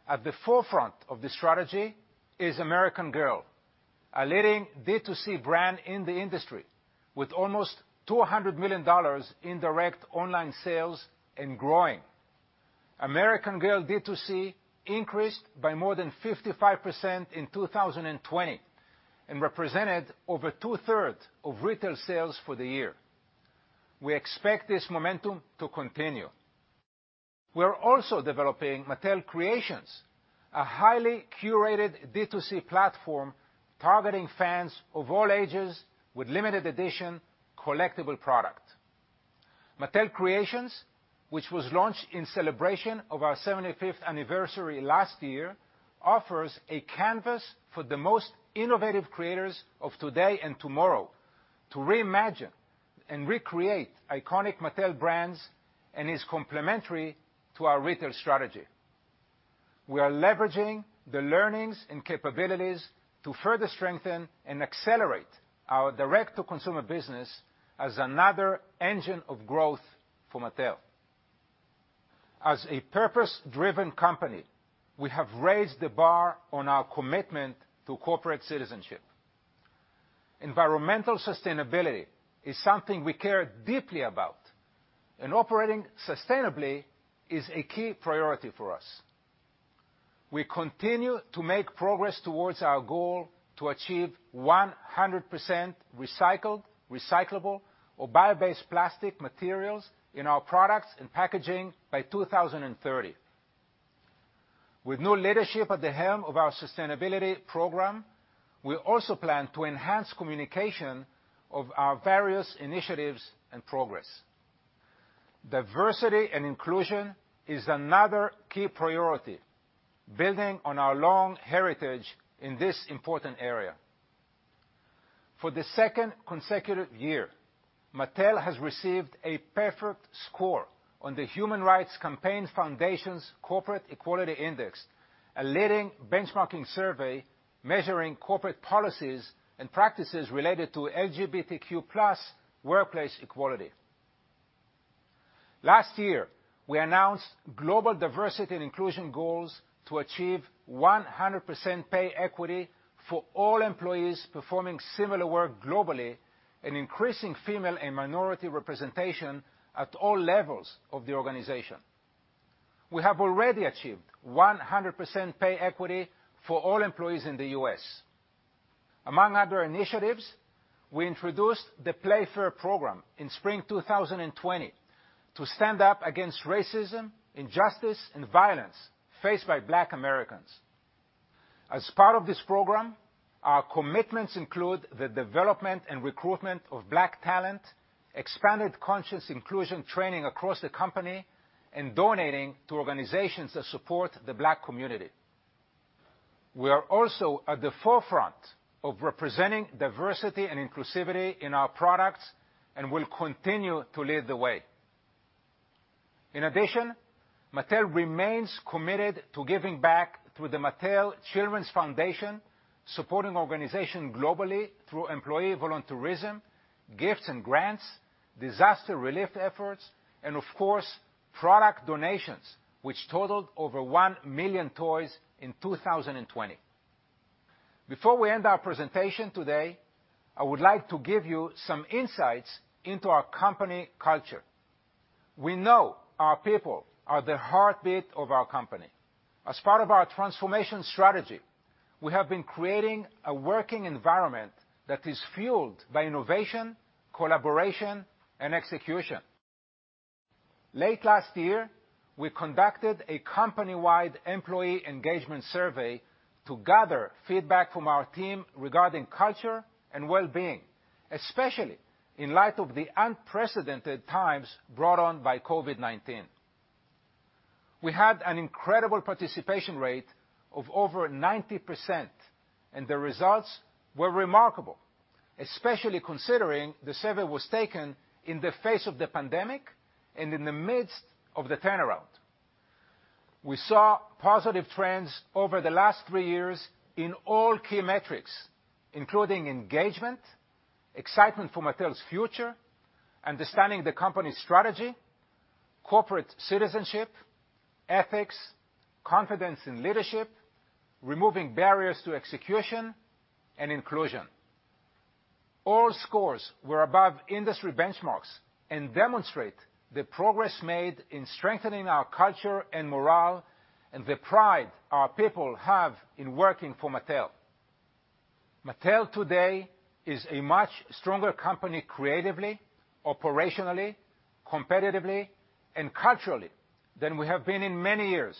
At the forefront of the strategy is American Girl, a leading D2C brand in the industry with almost $200 million in direct online sales and growing. American Girl D2C increased by more than 55% in 2020 and represented over two-thirds of retail sales for the year. We expect this momentum to continue. We're also developing Mattel Creations, a highly curated D2C platform targeting fans of all ages with limited-edition collectible products. Mattel Creations, which was launched in celebration of our 75th anniversary last year, offers a canvas for the most innovative creators of today and tomorrow to reimagine and recreate iconic Mattel brands and is complementary to our retail strategy. We are leveraging the learnings and capabilities to further strengthen and accelerate our direct-to-consumer business as another engine of growth for Mattel. As a purpose-driven company, we have raised the bar on our commitment to corporate citizenship. Environmental sustainability is something we care deeply about, and operating sustainably is a key priority for us. We continue to make progress towards our goal to achieve 100% recycled, recyclable, or bio-based plastic materials in our products and packaging by 2030. With new leadership at the helm of our sustainability program, we also plan to enhance communication of our various initiatives and progress. Diversity and inclusion is another key priority, building on our long heritage in this important area. For the second consecutive year, Mattel has received a perfect score on the Human Rights Campaign Foundation's Corporate Equality Index, a leading benchmarking survey measuring corporate policies and practices related to LGBTQ+ workplace equality. Last year, we announced global diversity and inclusion goals to achieve 100% pay equity for all employees performing similar work globally and increasing female and minority representation at all levels of the organization. We have already achieved 100% pay equity for all employees in the U.S. Among other initiatives, we introduced the Play Fair program in spring 2020 to stand up against racism, injustice, and violence faced by Black Americans. As part of this program, our commitments include the development and recruitment of Black talent, expanded conscious inclusion training across the company, and donating to organizations that support the Black community. We are also at the forefront of representing diversity and inclusivity in our products and will continue to lead the way. In addition, Mattel remains committed to giving back through the Mattel Children's Foundation, supporting organizations globally through employee volunteerism, gifts and grants, disaster relief efforts, and, of course, product donations, which totaled over 1 million toys in 2020. Before we end our presentation today, I would like to give you some insights into our company culture. We know our people are the heartbeat of our company. As part of our transformation strategy, we have been creating a working environment that is fueled by innovation, collaboration, and execution. Late last year, we conducted a company-wide employee engagement survey to gather feedback from our team regarding culture and well-being, especially in light of the unprecedented times brought on by COVID-19. We had an incredible participation rate of over 90%, and the results were remarkable, especially considering the survey was taken in the face of the pandemic and in the midst of the turnaround. We saw positive trends over the last three years in all key metrics, including engagement, excitement for Mattel's future, understanding the company's strategy, corporate citizenship, ethics, confidence in leadership, removing barriers to execution, and inclusion. All scores were above industry benchmarks and demonstrate the progress made in strengthening our culture and morale and the pride our people have in working for Mattel. Mattel today is a much stronger company creatively, operationally, competitively, and culturally than we have been in many years.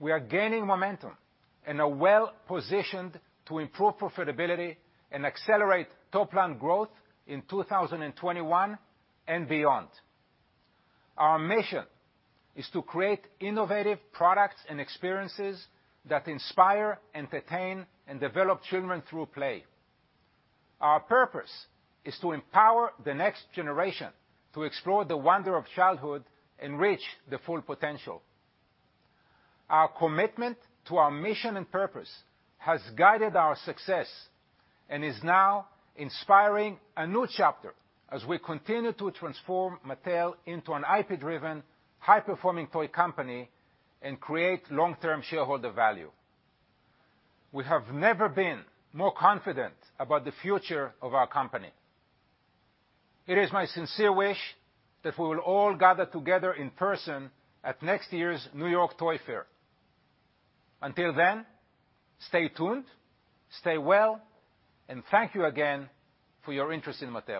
We are gaining momentum and are well positioned to improve profitability and accelerate top-line growth in 2021 and beyond. Our mission is to create innovative products and experiences that inspire, entertain, and develop children through play. Our purpose is to empower the next generation to explore the wonder of childhood and reach their full potential. Our commitment to our mission and purpose has guided our success and is now inspiring a new chapter as we continue to transform Mattel into an IP-driven, high-performing toy company and create long-term shareholder value. We have never been more confident about the future of our company. It is my sincere wish that we will all gather together in person at next year's New York Toy Fair. Until then, stay tuned, stay well, and thank you again for your interest in Mattel.